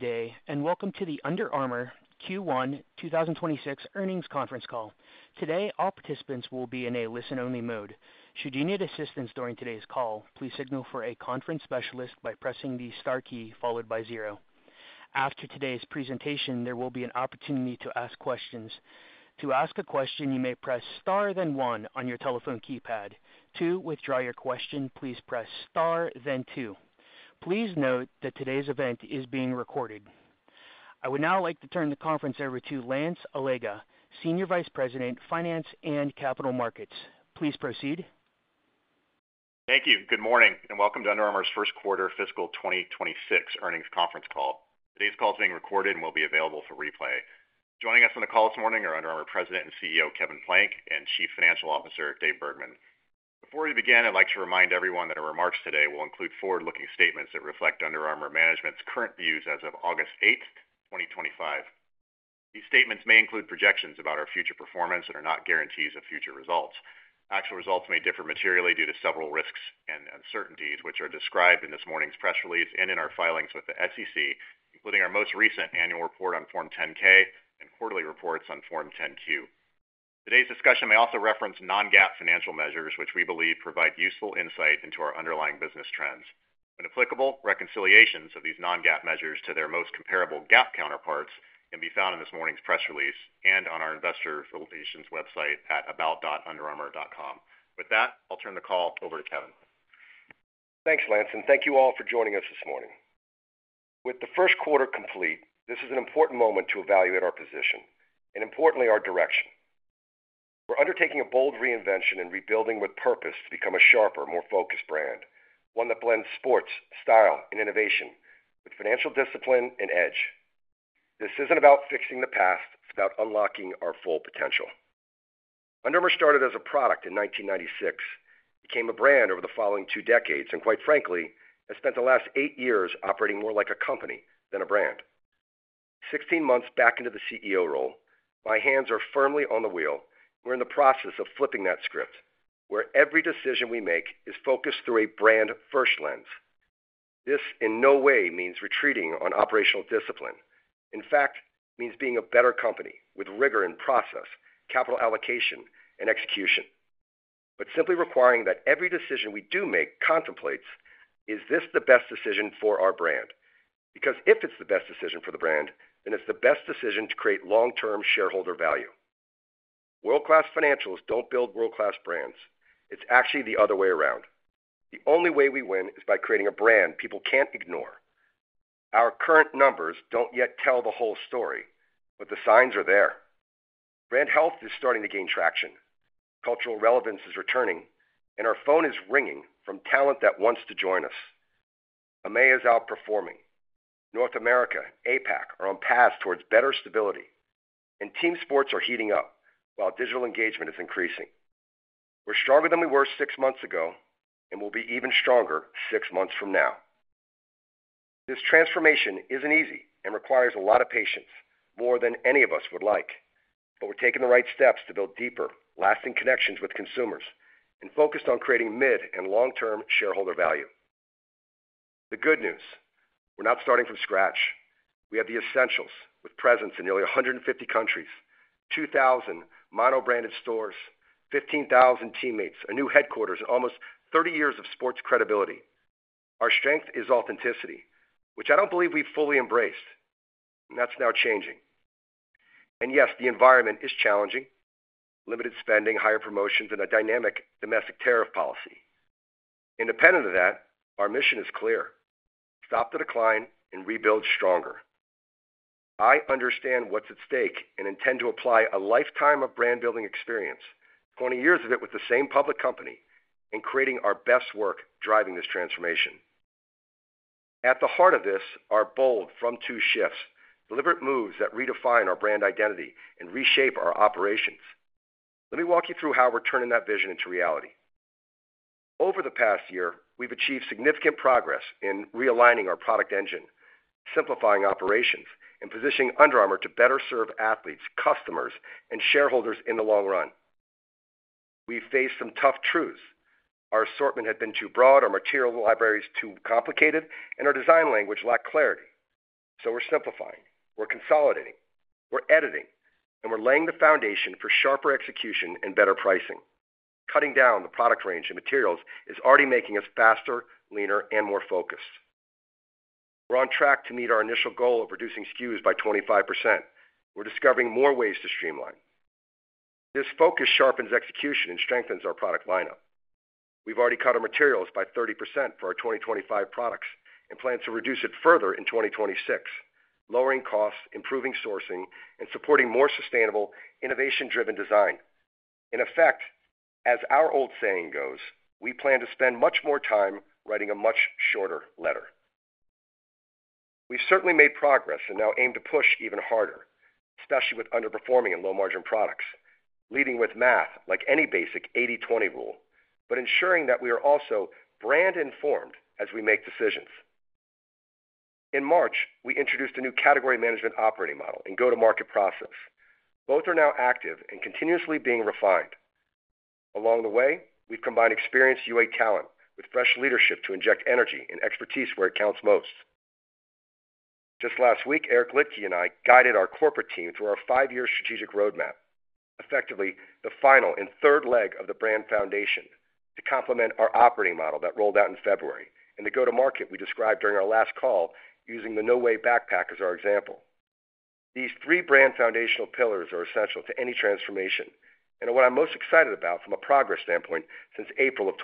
Today, and welcome to the Under Armour Q1 2026 Earnings Conference Call. Today, all participants will be in a listen-only mode. Should you need assistance during today's call, please signal for a conference specialist by pressing the star key followed by zero. After today's presentation, there will be an opportunity to ask questions. To ask a question, you may press star then one on your telephone keypad. To withdraw your question, please press star then two. Please note that today's event is being recorded. I would now like to turn the conference over to Lance Allega, Senior Vice President, Finance and Capital Markets. Please proceed. Thank you. Good morning and welcome to Under Armour's First Quarter Fiscal 2026 Earnings Conference Call. Today's call is being recorded and will be available for replay. Joining us on the call this morning are Under Armour President and CEO Kevin Plank and Chief Financial Officer Dave Bergman. Before we begin, I'd like to remind everyone that our remarks today will include forward-looking statements that reflect Under Armour management's current views as of August 8, 2025. These statements may include projections about our future performance and are not guarantees of future results. Actual results may differ materially due to several risks and uncertainties, which are described in this morning's press release and in our filings with the SEC, including our most recent annual report on Form 10-K and quarterly reports on Form 10-Q. Today's discussion may also reference non-GAAP financial measures, which we believe provide useful insight into our underlying business trends. When applicable, reconciliations of these non-GAAP measures to their most comparable GAAP counterparts can be found in this morning's press release and on our investor facilitation's website at about.underarmour.com. With that, I'll turn the call over to Kevin. Thanks, Lance, and thank you all for joining us this morning. With the first quarter complete, this is an important moment to evaluate our position and, importantly, our direction. We're undertaking a bold reinvention and rebuilding with purpose to become a sharper, more focused brand, one that blends sports, style, and innovation with financial discipline and edge. This isn't about fixing the past; it's about unlocking our full potential. Under Armour started as a product in 1996, became a brand over the following two decades, and quite frankly, has spent the last eight years operating more like a company than a brand. Sixteen months back into the CEO role, my hands are firmly on the wheel. We're in the process of flipping that script, where every decision we make is focused through a brand-first lens. This in no way means retreating on operational discipline. In fact, it means being a better company with rigor in process, capital allocation, and execution. Simply requiring that every decision we do make contemplates, is this the best decision for our brand? Because if it's the best decision for the brand, then it's the best decision to create long-term shareholder value. World-class financials don't build world-class brands. It's actually the other way around. The only way we win is by creating a brand people can't ignore. Our current numbers don't yet tell the whole story, but the signs are there. Brand health is starting to gain traction. Cultural relevance is returning, and our phone is ringing from talent that wants to join us. AMEA is outperforming. North America and APAC are on paths towards better stability, and team sports are heating up while digital engagement is increasing. We're stronger than we were six months ago, and we'll be even stronger six months from now. This transformation isn't easy and requires a lot of patience, more than any of us would like, but we're taking the right steps to build deeper, lasting connections with consumers and focus on creating mid and long-term shareholder value. The good news, we're not starting from scratch. We have the essentials with presence in nearly 150 countries, 2,000 mono-branded stores, 15,000 teammates, a new headquarters, and almost 30 years of sports credibility. Our strength is authenticity, which I don't believe we've fully embraced, and that's now changing. Yes, the environment is challenging: limited spending, higher promotions, and a dynamic domestic tariff policy. Independent of that, our mission is clear: stop the decline and rebuild stronger. I understand what's at stake and intend to apply a lifetime of brand-building experience, 20 years of it with the same public company, and creating our best work driving this transformation. At the heart of this are bold, frontier shifts, deliberate moves that redefine our brand identity and reshape our operations. Let me walk you through how we're turning that vision into reality. Over the past year, we've achieved significant progress in realigning our product engine, simplifying operations, and positioning Under Armour to better serve athletes, customers, and shareholders in the long run. We've faced some tough truths. Our assortment had been too broad, our material libraries too complicated, and our design language lacked clarity. We're simplifying, we're consolidating, we're editing, and we're laying the foundation for sharper execution and better pricing. Cutting down the product range and materials is already making us faster, leaner, and more focused. We're on track to meet our initial goal of reducing SKUs by 25%. We're discovering more ways to streamline. This focus sharpens execution and strengthens our product lineup. We've already cut our materials by 30% for our 2025 products and plan to reduce it further in 2026, lowering costs, improving sourcing, and supporting more sustainable, innovation-driven design. In effect, as our old saying goes, we plan to spend much more time writing a much shorter letter. We've certainly made progress and now aim to push even harder, especially with underperforming and low-margin products, leading with math like any basic 80/20 rule, but ensuring that we are also brand-informed as we make decisions. In March, we introduced a new category management operating model and go-to-market process. Both are now active and continuously being refined. Along the way, we've combined experienced UA talent with fresh leadership to inject energy and expertise where it counts most. Just last week, Eric Liedtke and I guided our corporate team through our five-year strategic roadmap, effectively the final and third leg of the brand foundation, to complement our operating model that rolled out in February and the go-to-market we described during our last call, using the No Weigh Backpack as our example. These three brand foundational pillars are essential to any transformation and are what I'm most excited about from a progress standpoint since April of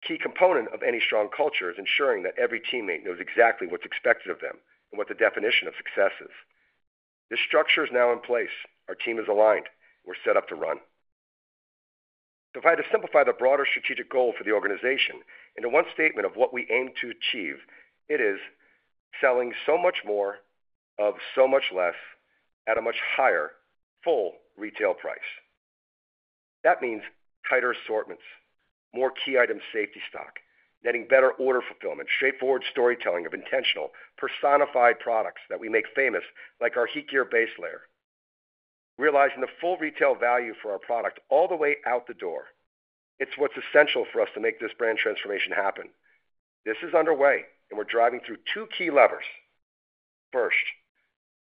2024. A key component of any strong culture is ensuring that every teammate knows exactly what's expected of them and what the definition of success is. This structure is now in place. Our team is aligned. We're set up to run. If I had to simplify the broader strategic goal for the organization into one statement of what we aim to achieve, it is selling so much more of so much less at a much higher, full retail price. That means tighter assortments, more key item safety stock, netting better order fulfillment, straightforward storytelling of intentional, personified products that we make famous, like our HeatGear base layer. Realizing the full retail value for our product all the way out the door. It's what's essential for us to make this brand transformation happen. This is underway, and we're driving through two key levers. First,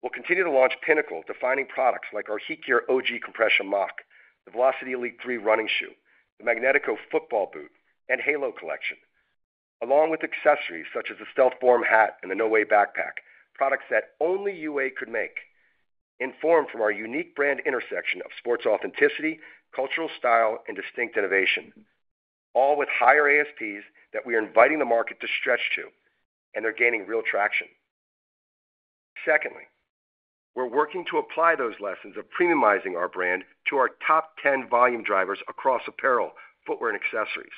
we'll continue to launch pinnacle defining products like our HeatGear OG compression mock, the Velociti Elite 3 running shoe, the Magnetico football boot, and Halo collection, along with accessories such as the Stealth Form hat and the No Weigh Backpack, products that only UA could make, informed from our unique brand intersection of sports authenticity, cultural style, and distinct innovation, all with higher ASPs that we are inviting the market to stretch to, and they're gaining real traction. Secondly, we're working to apply those lessons of premiumizing our brand to our top 10 volume drivers across apparel, footwear, and accessories.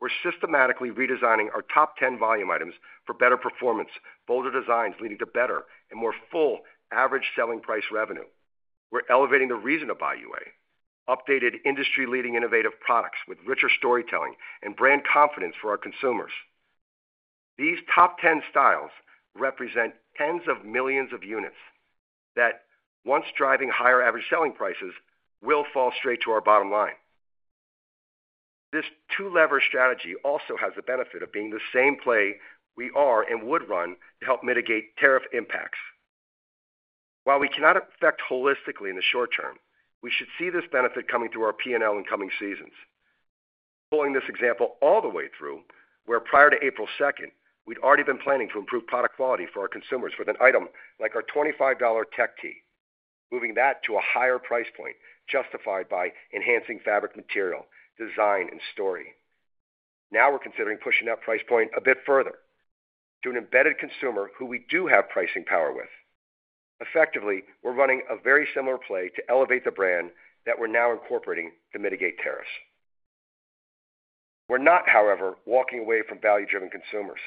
We're systematically redesigning our top 10 volume items for better performance, bolder designs leading to better and more full average selling price revenue. We're elevating the reason to buy UA, updated industry-leading innovative products with richer storytelling and brand confidence for our consumers. These top 10 styles represent tens of millions of units that, once driving higher average selling prices, will fall straight to our bottom line. This two-lever strategy also has the benefit of being the same play we are and would run to help mitigate tariff impacts. While we cannot affect holistically in the short term, we should see this benefit coming through our P&L in coming seasons. Pulling this example all the way through, where prior to April 2nd, we'd already been planning to improve product quality for our consumers with an item like our $25 tech tee, moving that to a higher price point justified by enhancing fabric material, design, and story. Now we're considering pushing that price point a bit further to an embedded consumer who we do have pricing power with. Effectively, we're running a very similar play to elevate the brand that we're now incorporating to mitigate tariffs. We're not, however, walking away from value-driven consumers.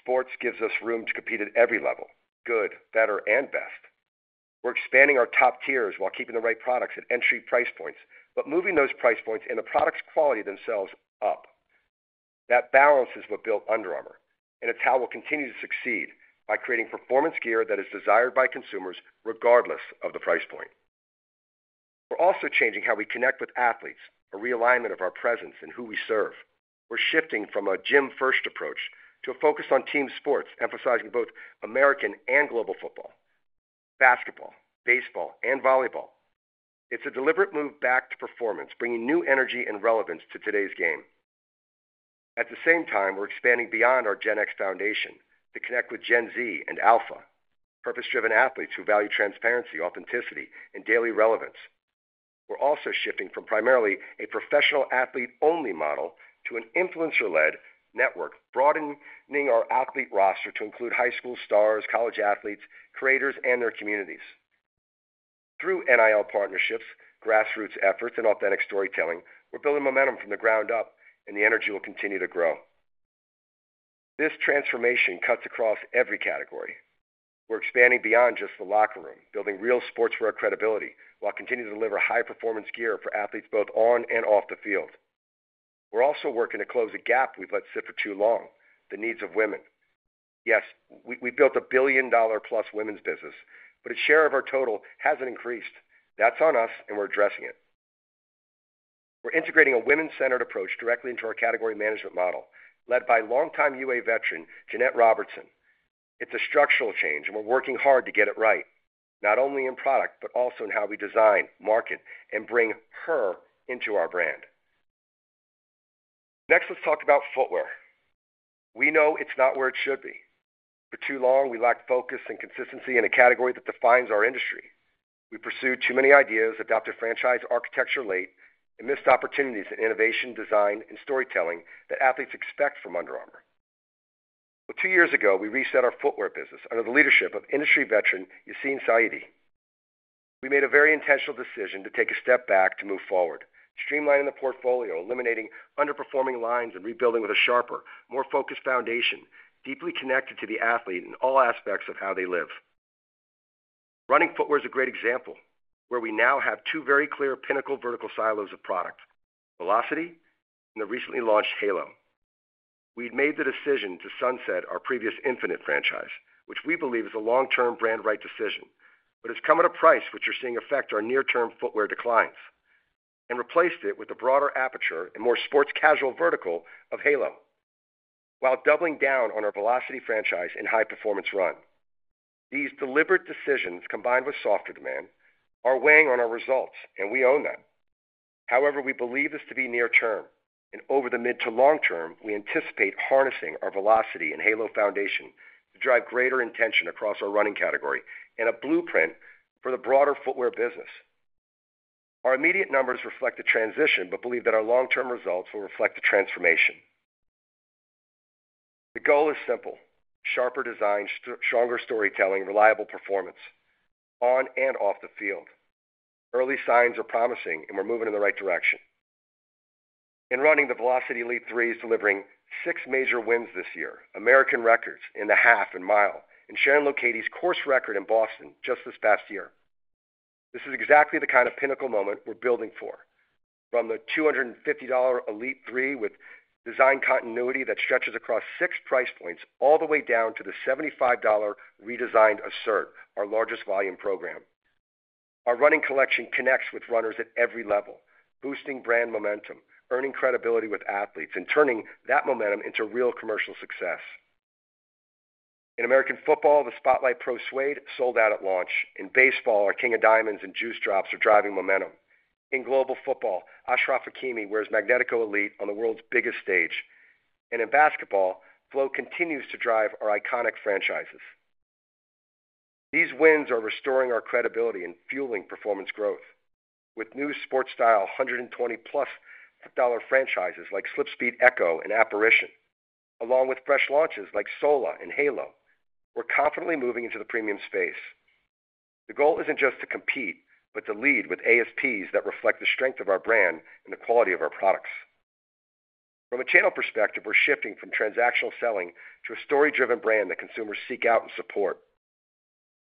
Sports gives us room to compete at every level: good, better, and best. We're expanding our top tiers while keeping the right products at entry price points, but moving those price points and the product's quality themselves up. That balance is what built Under Armour, and it's how we'll continue to succeed by creating performance gear that is desired by consumers regardless of the price point. We're also changing how we connect with athletes, a realignment of our presence and who we serve. We're shifting from a gym-first approach to a focus on team sports, emphasizing both American and global football, basketball, baseball, and volleyball. It's a deliberate move back to performance, bringing new energy and relevance to today's game. At the same time, we're expanding beyond our Gen X foundation to connect with Gen Z and Alpha, purpose-driven athletes who value transparency, authenticity, and daily relevance. We're also shifting from primarily a professional athlete-only model to an influencer-led network, broadening our athlete roster to include high school stars, college athletes, creators, and their communities. Through NIL partnerships, grassroots efforts, and authentic storytelling, we're building momentum from the ground up, and the energy will continue to grow. This transformation cuts across every category. We're expanding beyond just the locker room, building real sportswear credibility while continuing to deliver high-performance gear for athletes both on and off the field. We're also working to close a gap we've let sit for too long: the needs of women. Yes, we built a billion-dollar-plus women's business, but a share of our total hasn't increased. That's on us, and we're addressing it. We're integrating a women-centered approach directly into our category management model, led by longtime UA veteran Jeanette Robertson. It's a structural change, and we're working hard to get it right, not only in product, but also in how we design, market, and bring her into our brand. Next, let's talk about footwear. We know it's not where it should be. For too long, we lacked focus and consistency in a category that defines our industry. We pursued too many ideas, adopted franchise architecture late, and missed opportunities in innovation, design, and storytelling that athletes expect from Under Armour. Two years ago, we reset our footwear business under the leadership of industry veteran Yassine Saidi. We made a very intentional decision to take a step back to move forward, streamlining the portfolio, eliminating underperforming lines, and rebuilding with a sharper, more focused foundation, deeply connected to the athlete in all aspects of how they live. Running footwear is a great example, where we now have two very clear pinnacle vertical silos of product: Velocity and the recently launched Halo. We made the decision to sunset our previous Infinite franchise, which we believe is a long-term brand right decision, but it's come at a price which we're seeing affect our near-term footwear declines and replaced it with a broader aperture and more sports casual vertical of Halo, while doubling down on our Velocity franchise and high-performance run. These deliberate decisions, combined with softer demand, are weighing on our results, and we own them. However, we believe this to be near term, and over the mid to long term, we anticipate harnessing our Velocity and Halo foundation to drive greater intention across our running category and a blueprint for the broader footwear business. Our immediate numbers reflect a transition, but believe that our long-term results will reflect a transformation. The goal is simple: sharper design, stronger storytelling, and reliable performance on and off the field. Early signs are promising, and we're moving in the right direction. In running, the Velocity Elite 3 is delivering six major wins this year, American records in the half and mile, and Shannon Locati's course record in Boston just this past year. This is exactly the kind of pinnacle moment we're building for, from the $250 Elite 3 with design continuity that stretches across six price points all the way down to the $75 redesigned Assert, our largest volume program. Our running collection connects with runners at every level, boosting brand momentum, earning credibility with athletes, and turning that momentum into real commercial success. In American football, the Spotlight Pro Suede sold out at launch. In baseball, our King of Diamonds and Juice Drops are driving momentum. In global football, Ashraf Hakimi wears Magnetico Elite on the world's biggest stage. In basketball, Flo continues to drive our iconic franchises. These wins are restoring our credibility and fueling performance growth. With new sports style $120-plus franchises like SlipSpeed Echo and Apparition, along with fresh launches like Sola and Halo, we're confidently moving into the premium space. The goal isn't just to compete, but to lead with ASPs that reflect the strength of our brand and the quality of our products. From a channel perspective, we're shifting from transactional selling to a story-driven brand that consumers seek out and support.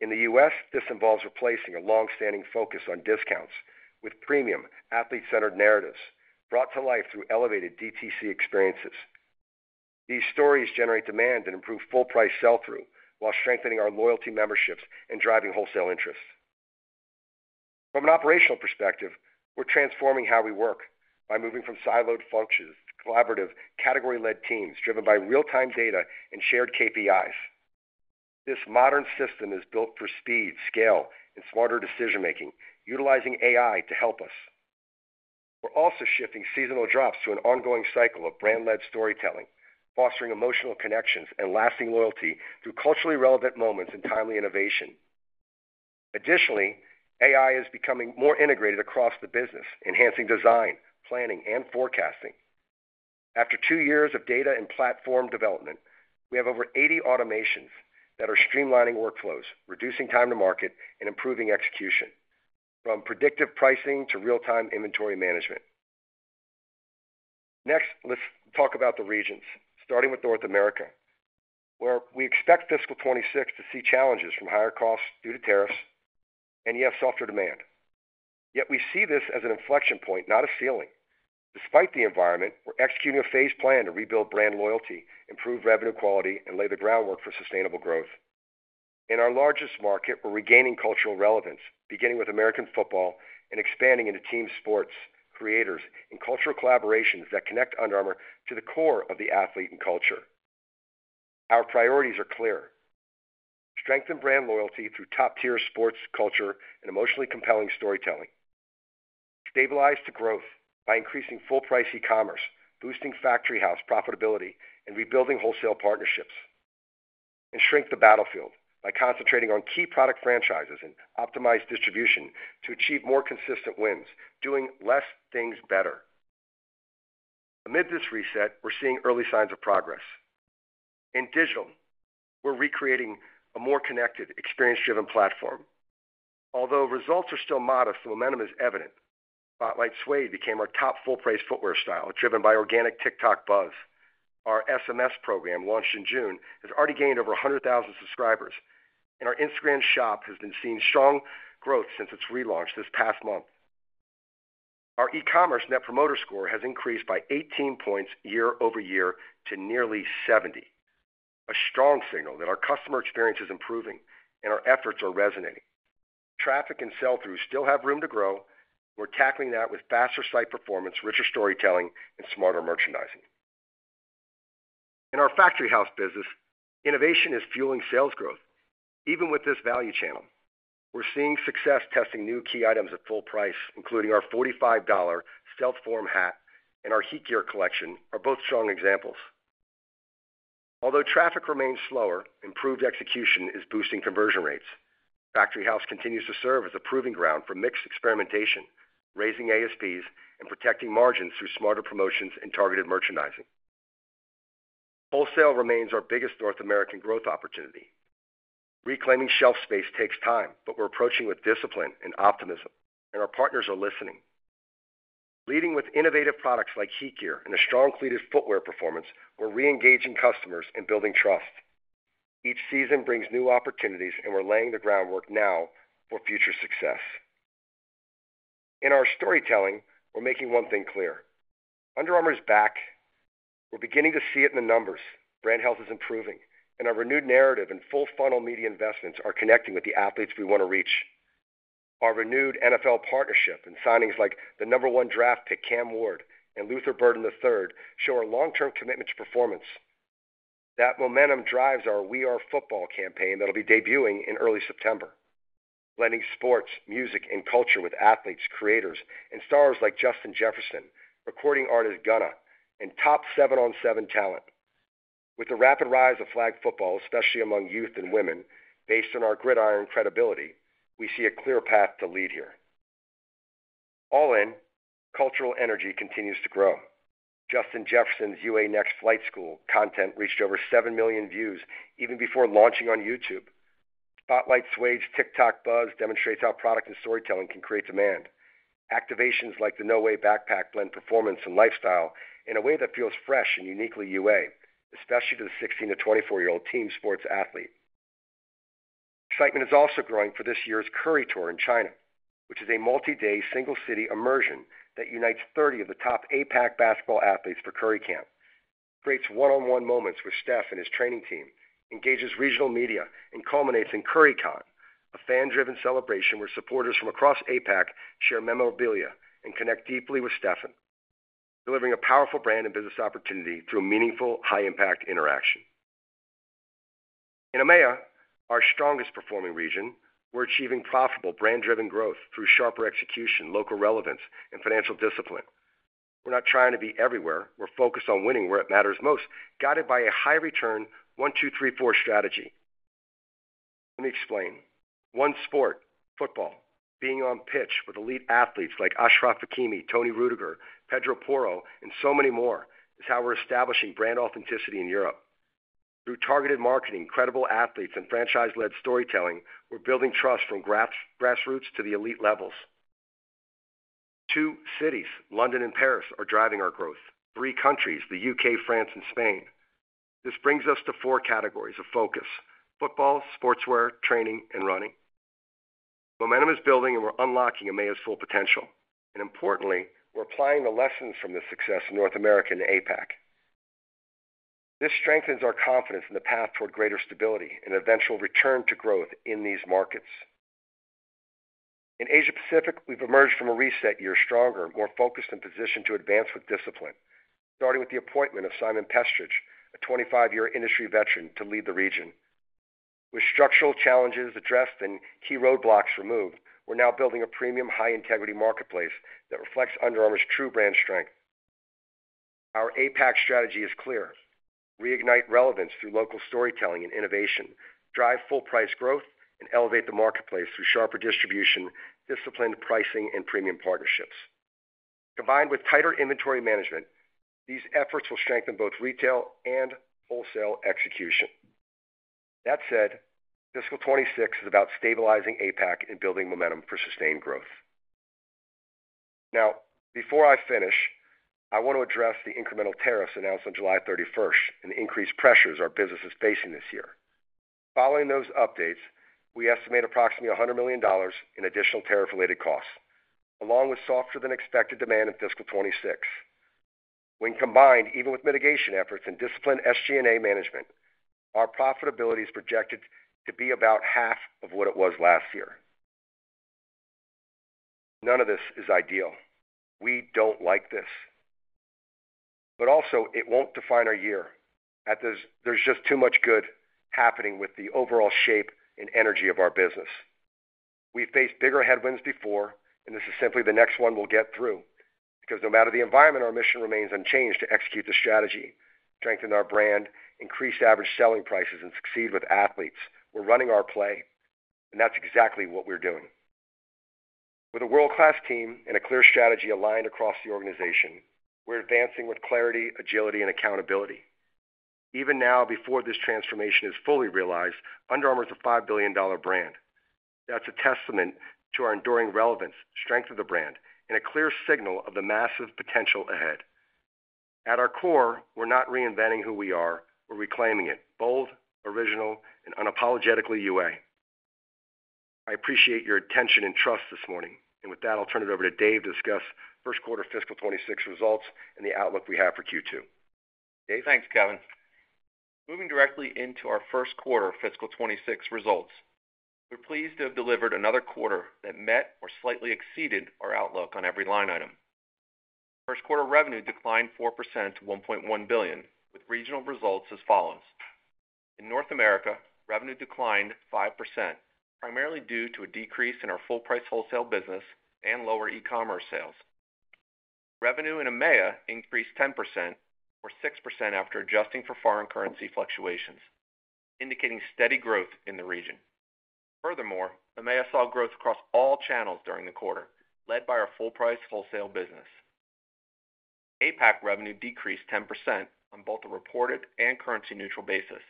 In the U.S., this involves replacing a longstanding focus on discounts with premium, athlete-centered narratives brought to life through elevated DTC experiences. These stories generate demand and improve full-price sell-through while strengthening our loyalty memberships and driving wholesale interest. From an operational perspective, we're transforming how we work by moving from siloed functions to collaborative category-led teams driven by real-time data and shared KPIs. This modern system is built for speed, scale, and smarter decision-making, utilizing AI to help us. We're also shifting seasonal drops to an ongoing cycle of brand-led storytelling, fostering emotional connections and lasting loyalty through culturally relevant moments and timely innovation. Additionally, AI is becoming more integrated across the business, enhancing design, planning, and forecasting. After two years of data and platform development, we have over 80 automations that are streamlining workflows, reducing time to market, and improving execution, from predictive pricing to real-time inventory management. Next, let's talk about the regions, starting with North America, where we expect fiscal 2026 to see challenges from higher costs due to tariffs and, yes, softer demand. Yet we see this as an inflection point, not a ceiling. Despite the environment, we're executing a phased plan to rebuild brand loyalty, improve revenue quality, and lay the groundwork for sustainable growth. In our largest market, we're regaining cultural relevance, beginning with American football and expanding into team sports, creators, and cultural collaborations that connect Under Armour to the core of the athlete and culture. Our priorities are clear: strengthen brand loyalty through top-tier sports culture and emotionally compelling storytelling, stabilize the growth by increasing full-price e-commerce, boosting factory house profitability, and rebuilding wholesale partnerships, and shrink the battlefield by concentrating on key product franchises and optimized distribution to achieve more consistent wins, doing less things better. Amid this reset, we're seeing early signs of progress. In digital, we're recreating a more connected, experience-driven platform. Although results are still modest, the momentum is evident. Spotlight Suede became our top full-price footwear style, driven by organic TikTok buzz. Our SMS program launched in June has already gained over 100,000 subscribers, and our Instagram shop has been seeing strong growth since its relaunch this past month. Our e-commerce NPS score has increased by 18 points year-over-year to nearly 70, a strong signal that our customer experience is improving and our efforts are resonating. Traffic and sell-through still have room to grow. We're tackling that with faster site performance, richer storytelling, and smarter merchandising. In our factory house business, innovation is fueling sales growth, even with this value channel. We're seeing success testing new key items at full price, including our $45 Stealth Form hat and our HeatGear collection, are both strong examples. Although traffic remains slower, improved execution is boosting conversion rates. Factory house continues to serve as a proving ground for mixed experimentation, raising ASPs, and protecting margins through smarter promotions and targeted merchandising. Wholesale remains our biggest North American growth opportunity. Reclaiming shelf space takes time, but we're approaching with discipline and optimism, and our partners are listening. Leading with innovative products like HeatGear and a strong fleet of footwear performance, we're reengaging customers and building trust. Each season brings new opportunities, and we're laying the groundwork now for future success. In our storytelling, we're making one thing clear: Under Armour is back. We're beginning to see it in the numbers. Brand health is improving, and our renewed narrative and full-funnel media investments are connecting with the athletes we want to reach. Our renewed NFL partnership and signings like the number one draft pick, Cam Ward, and Luther Burden III, show our long-term commitment to performance. That momentum drives our We Are Football campaign that'll be debuting in early September, blending sports, music, and culture with athletes, creators, and stars like Justin Jefferson, recording artist Gunna, and top seven-on-seven talent. With the rapid rise of flag football, especially among youth and women, based on our gridiron credibility, we see a clear path to lead here. All in, cultural energy continues to grow. Justin Jefferson's UA Next Flight School content reached over 7 million views even before launching on YouTube. Spotlight Suede's TikTok buzz demonstrates how product and storytelling can create demand. Activations like the No Weigh Backpack blend performance and lifestyle in a way that feels fresh and uniquely UA, especially to the 16-24-year-old team sports athlete. Excitement is also growing for this year's Curry Tour in China, which is a multi-day, single-city immersion that unites 30 of the top APAC basketball athletes for Curry Camp, creates one-on-one moments with Steph and his training team, engages regional media, and culminates in CurryCon, a fan-driven celebration where supporters from across APAC share memorabilia and connect deeply with Stephen, delivering a powerful brand and business opportunity through a meaningful, high-impact interaction. In AMEA, our strongest performing region, we're achieving profitable brand-driven growth through sharper execution, local relevance, and financial discipline. We're not trying to be everywhere. We're focused on winning where it matters most, guided by a high-return 1-2-3-4 strategy. Let me explain. One sport, football, being on pitch with elite athletes like Achraf Hakimi, Toni Rüdiger, Pedro Porro, and so many more is how we're establishing brand authenticity in Europe. Through targeted marketing, credible athletes, and franchise-led storytelling, we're building trust from grassroots to the elite levels. Two cities, London and Paris, are driving our growth. Three countries, the U.K., France, and Spain. This brings us to four categories of focus: football, sportswear, training, and running. Momentum is building, and we're unlocking AMEA's full potential. Importantly, we're applying the lessons from this success in North America and APAC. This strengthens our confidence in the path toward greater stability and eventual return to growth in these markets. In Asia-Pacific, we've emerged from a reset year, stronger, more focused, and positioned to advance with discipline, starting with the appointment of Simon Pestridge, a 25-year industry veteran, to lead the region. With structural challenges addressed and key roadblocks removed, we're now building a premium, high-integrity marketplace that reflects Under Armour's true brand strength. Our APAC strategy is clear: reignite relevance through local storytelling and innovation, drive full-price growth, and elevate the marketplace through sharper distribution, disciplined pricing, and premium partnerships. Combined with tighter inventory management, these efforts will strengthen both retail and wholesale execution. That said, fiscal 2026 is about stabilizing APAC and building momentum for sustained growth. Before I finish, I want to address the incremental tariffs announced on July 31st and the increased pressures our business is facing this year. Following those updates, we estimate approximately $100 million in additional tariff-related costs, along with softer than expected demand in fiscal 2026. When combined, even with mitigation efforts and disciplined SG&A management, our profitability is projected to be about half of what it was last year. None of this is ideal. We don't like this. It won't define our year. There's just too much good happening with the overall shape and energy of our business. We've faced bigger headwinds before, and this is simply the next one we'll get through because no matter the environment, our mission remains unchanged to execute the strategy, strengthen our brand, increase average selling prices, and succeed with athletes. We're running our play, and that's exactly what we're doing. With a world-class team and a clear strategy aligned across the organization, we're advancing with clarity, agility, and accountability. Even now, before this transformation is fully realized, Under Armour is a $5 billion brand. That's a testament to our enduring relevance, strength of the brand, and a clear signal of the massive potential ahead. At our core, we're not reinventing who we are. We're reclaiming it: bold, original, and unapologetically UA. I appreciate your attention and trust this morning. With that, I'll turn it over to Dave to discuss first quarter fiscal 2026 results and the outlook we have for Q2. Dave? Thanks, Kevin. Moving directly into our First Quarter Fiscal 2026 Results, we're pleased to have delivered another quarter that met or slightly exceeded our outlook on every line item. First quarter revenue declined 4% to $1.1 billion, with regional results as follows. In North America, revenue declined 5%, primarily due to a decrease in our full-price wholesale business and lower e-commerce sales. Revenue in AMEA increased 10%, or 6% after adjusting for foreign currency fluctuations, indicating steady growth in the region. Furthermore, AMEA saw growth across all channels during the quarter, led by our full-price wholesale business. APAC revenue decreased 10% on both a reported and currency-neutral basis,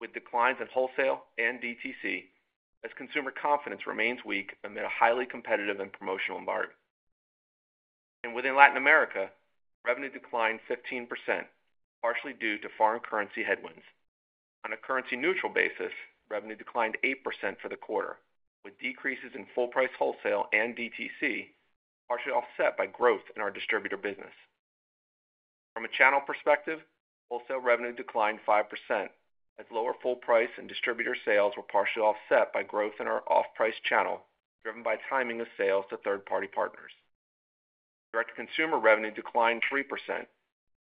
with declines in wholesale and DTC as consumer confidence remains weak amid a highly competitive and promotional environment. Within Latin America, revenue declined 15%, partially due to foreign currency headwinds. On a currency-neutral basis, revenue declined 8% for the quarter, with decreases in full-price wholesale and DTC partially offset by growth in our distributor business. From a channel perspective, wholesale revenue declined 5% as lower full-price and distributor sales were partially offset by growth in our off-price channel, driven by timing of sales to third-party partners. Direct-to-consumer revenue declined 3%,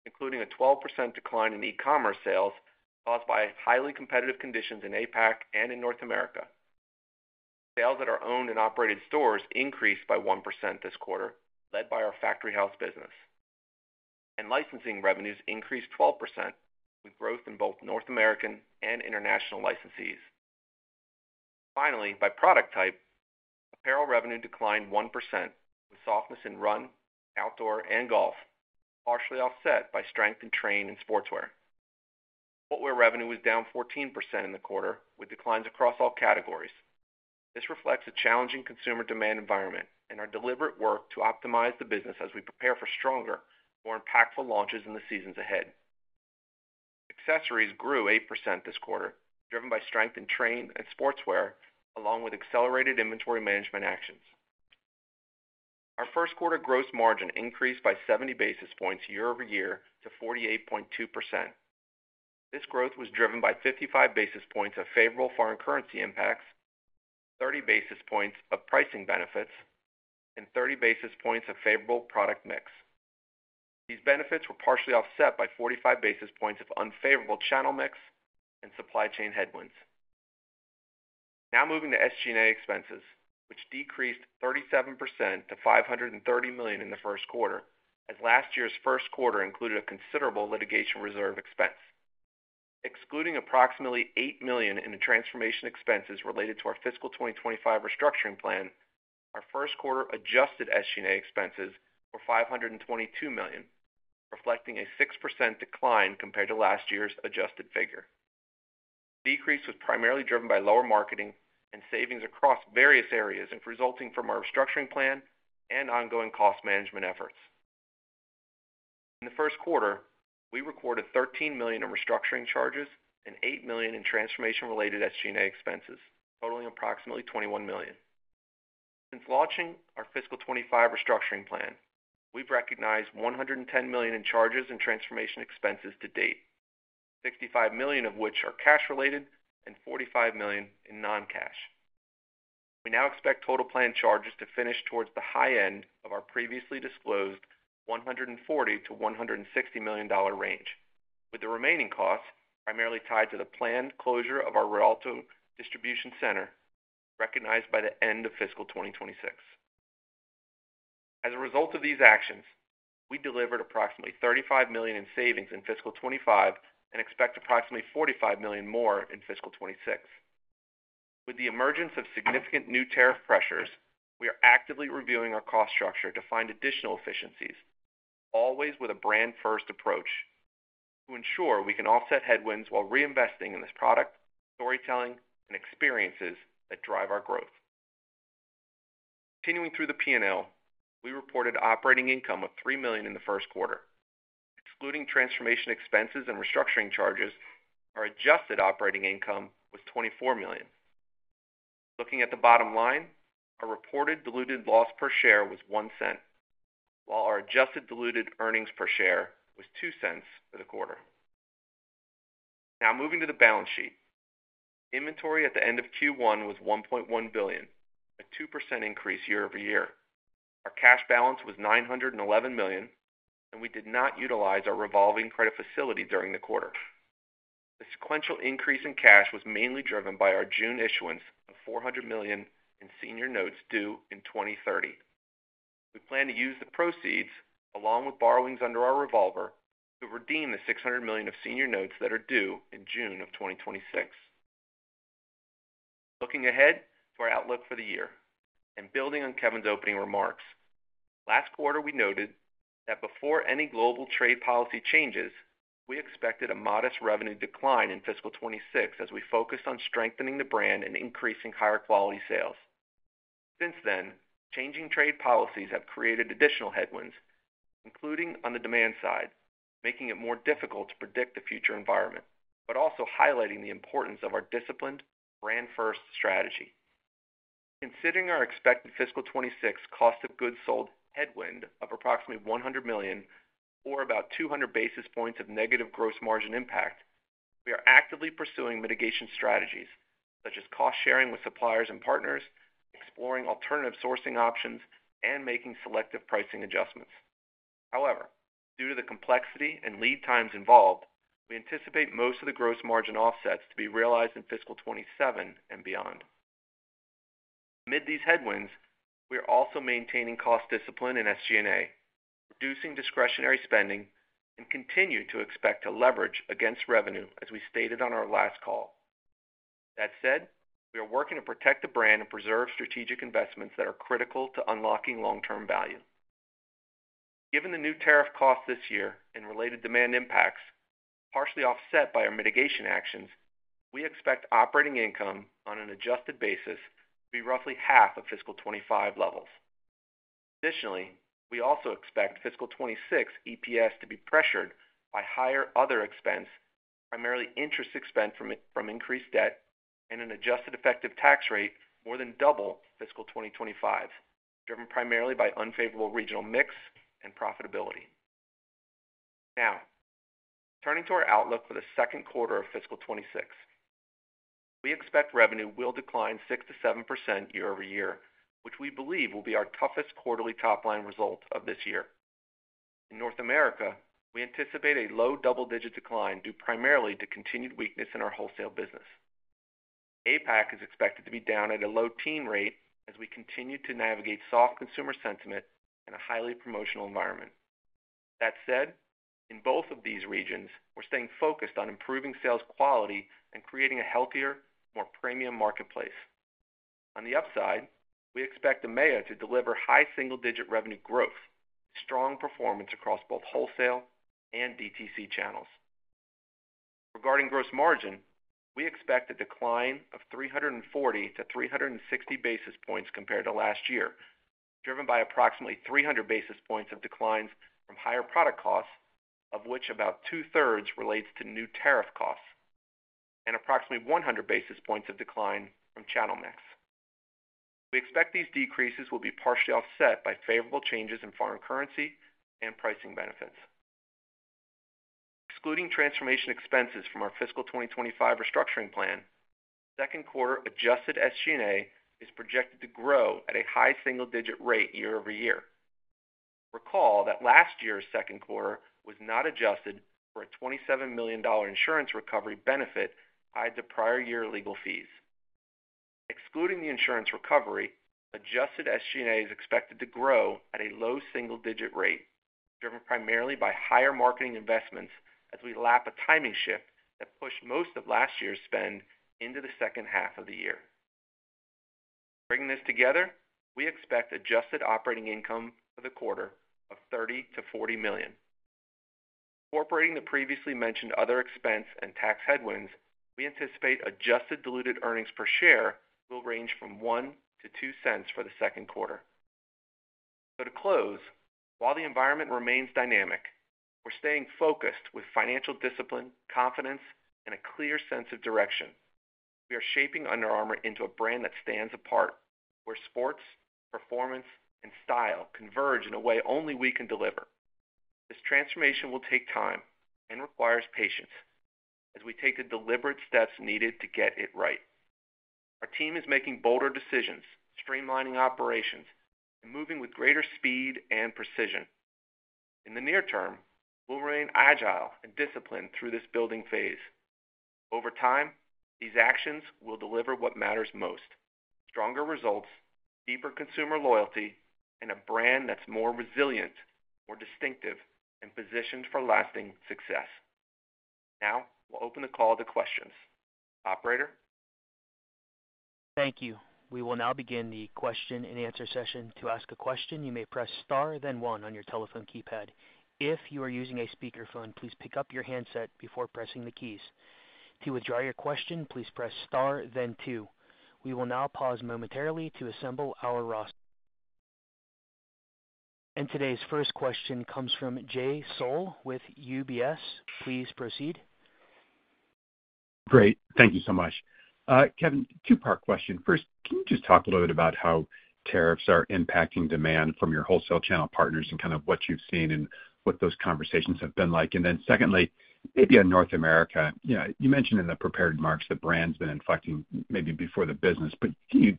including a 12% decline in e-commerce sales caused by highly competitive conditions in APAC and in North America. Sales at our own and operated stores increased by 1% this quarter, led by our factory house business. Licensing revenues increased 12% with growth in both North American and international licensees. Finally, by product type, apparel revenue declined 1%, with softness in run, outdoor, and golf, partially offset by strength in train and sportswear. Footwear revenue was down 14% in the quarter, with declines across all categories. This reflects a challenging consumer demand environment and our deliberate work to optimize the business as we prepare for stronger, more impactful launches in the seasons ahead. Accessories grew 8% this quarter, driven by strength in train and sportswear, along with accelerated inventory management actions. Our first quarter gross margin increased by 70 basis points year-over-year to 48.2%. This growth was driven by 55 basis points of favorable foreign currency impacts, 30 basis points of pricing benefits, and 30 basis points of favorable product mix. These benefits were partially offset by 45 basis points of unfavorable channel mix and supply chain headwinds. Now moving to SG&A expenses, which decreased 37% to $530 million in the first quarter, as last year's first quarter included a considerable litigation reserve expense. Excluding approximately $8 million in the transformation expenses related to our fiscal 2025 restructuring plan, our first quarter adjusted SG&A expenses were $522 million, reflecting a 6% decline compared to last year's adjusted figure. The decrease was primarily driven by lower marketing and savings across various areas, resulting from our restructuring plan and ongoing cost management efforts. In the first quarter, we recorded $13 million in restructuring charges and $8 million in transformation-related SG&A expenses, totaling approximately $21 million. Since launching our fiscal 2025 restructuring plan, we've recognized $110 million in charges and transformation expenses to date, $65 million of which are cash-related and $45 million in non-cash. We now expect total planned charges to finish towards the high end of our previously disclosed $140 million-$160 million range, with the remaining costs primarily tied to the planned closure of our Rialto Distribution center, recognized by the end of fiscal 2026. As a result of these actions, we delivered approximately $35 million in savings in fiscal 2025 and expect approximately $45 million more in fiscal 2026. With the emergence of significant new tariff pressures, we are actively reviewing our cost structure to find additional efficiencies, always with a brand-first approach to ensure we can offset headwinds while reinvesting in this product, storytelling, and experiences that drive our growth. Continuing through the P&L, we reported operating income of $3 million in the first quarter. Excluding transformation expenses and restructuring charges, our adjusted operating income was $24 million. Looking at the bottom line, our reported diluted loss per share was $0.01, while our adjusted diluted earnings per share was $0.02 for the quarter. Now moving to the balance sheet, inventory at the end of Q1 was $1.1 billion, a 2% increase year-over-year. Our cash balance was $911 million, and we did not utilize our revolving credit facility during the quarter. The sequential increase in cash was mainly driven by our June issuance of $400 million in senior notes due in 2030. We plan to use the proceeds, along with borrowings under our revolver, to redeem the $600 million of senior notes that are due in June of 2026. Looking ahead to our outlook for the year and building on Kevin's opening remarks, last quarter we noted that before any global trade policy changes, we expected a modest revenue decline in fiscal 2026 as we focused on strengthening the brand and increasing higher quality sales. Since then, changing trade policies have created additional headwinds, including on the demand side, making it more difficult to predict the future environment, but also highlighting the importance of our disciplined, brand-first strategy. Considering our expected fiscal 2026 cost of goods sold headwind of approximately $100 million or about 200 basis points of negative gross margin impact, we are actively pursuing mitigation strategies, such as cost sharing with suppliers and partners, exploring alternative sourcing options, and making selective pricing adjustments. However, due to the complexity and lead times involved, we anticipate most of the gross margin offsets to be realized in fiscal 2027 and beyond. Amid these headwinds, we are also maintaining cost discipline in SG&A, reducing discretionary spending, and continue to expect to leverage against revenue, as we stated on our last call. That said, we are working to protect the brand and preserve strategic investments that are critical to unlocking long-term value. Given the new tariff costs this year and related demand impacts, partially offset by our mitigation actions, we expect operating income on an adjusted basis to be roughly half of fiscal 2025 levels. Additionally, we also expect fiscal 2026 EPS to be pressured by higher other expense, primarily interest expense from increased debt, and an adjusted effective tax rate more than double fiscal 2025, driven primarily by unfavorable regional mix and profitability. Now, turning to our outlook for the second quarter of fiscal 2026, we expect revenue will decline 6%-7% year-over-year, which we believe will be our toughest quarterly top-line result of this year. In North America, we anticipate a low double-digit decline due primarily to continued weakness in our wholesale business. APAC is expected to be down at a low teen rate as we continue to navigate soft consumer sentiment and a highly promotional environment. That said, in both of these regions, we're staying focused on improving sales quality and creating a healthier, more premium marketplace. On the upside, we expect AMEA to deliver high single-digit revenue growth, strong performance across both wholesale and DTC channels. Regarding gross margin, we expect a decline of 340-360 basis points compared to last year, driven by approximately 300 basis points of declines from higher product costs, of which about two-thirds relates to new tariff costs, and approximately 100 basis points of decline from channel mix. We expect these decreases will be partially offset by favorable changes in foreign currency and pricing benefits. Excluding transformation expenses from our fiscal 2025 restructuring plan, the second quarter adjusted SG&A is projected to grow at a high single-digit rate year-over-year. Recall that last year's second quarter was not adjusted for a $27 million insurance recovery benefit tied to prior year legal fees. Excluding the insurance recovery, adjusted SG&A is expected to grow at a low single-digit rate, driven primarily by higher marketing investments as we lap a timing shift that pushed most of last year's spend into the second half of the year. Bringing this together, we expect adjusted operating income for the quarter of $30 million-$40 million. Incorporating the previously mentioned other expense and tax headwinds, we anticipate adjusted diluted earnings per share will range from $0.01-$0.02 for the second quarter. To close, while the environment remains dynamic, we're staying focused with financial discipline, confidence, and a clear sense of direction. We are shaping Under Armour into a brand that stands apart, where sports, performance, and style converge in a way only we can deliver. This transformation will take time and requires patience as we take the deliberate steps needed to get it right. Our team is making bolder decisions, streamlining operations, and moving with greater speed and precision. In the near term, we'll remain agile and disciplined through this building phase. Over time, these actions will deliver what matters most: stronger results, deeper consumer loyalty, and a brand that's more resilient, more distinctive, and positioned for lasting success. Now, we'll open the call to questions. Operator? Thank you. We will now begin the question and answer session. To ask a question, you may press star, then one on your telephone keypad. If you are using a speakerphone, please pick up your handset before pressing the keys. To withdraw your question, please press star, then two. We will now pause momentarily to assemble our roster. Today's first question comes from Jay Sole with UBS. Please proceed. Great. Thank you so much. Kevin, two-part question. First, can you just talk a little bit about how tariffs are impacting demand from your wholesale channel partners and what you've seen and what those conversations have been like? Secondly, maybe in North America, you mentioned in the prepared marks that brand's been inflecting maybe before the business. Can you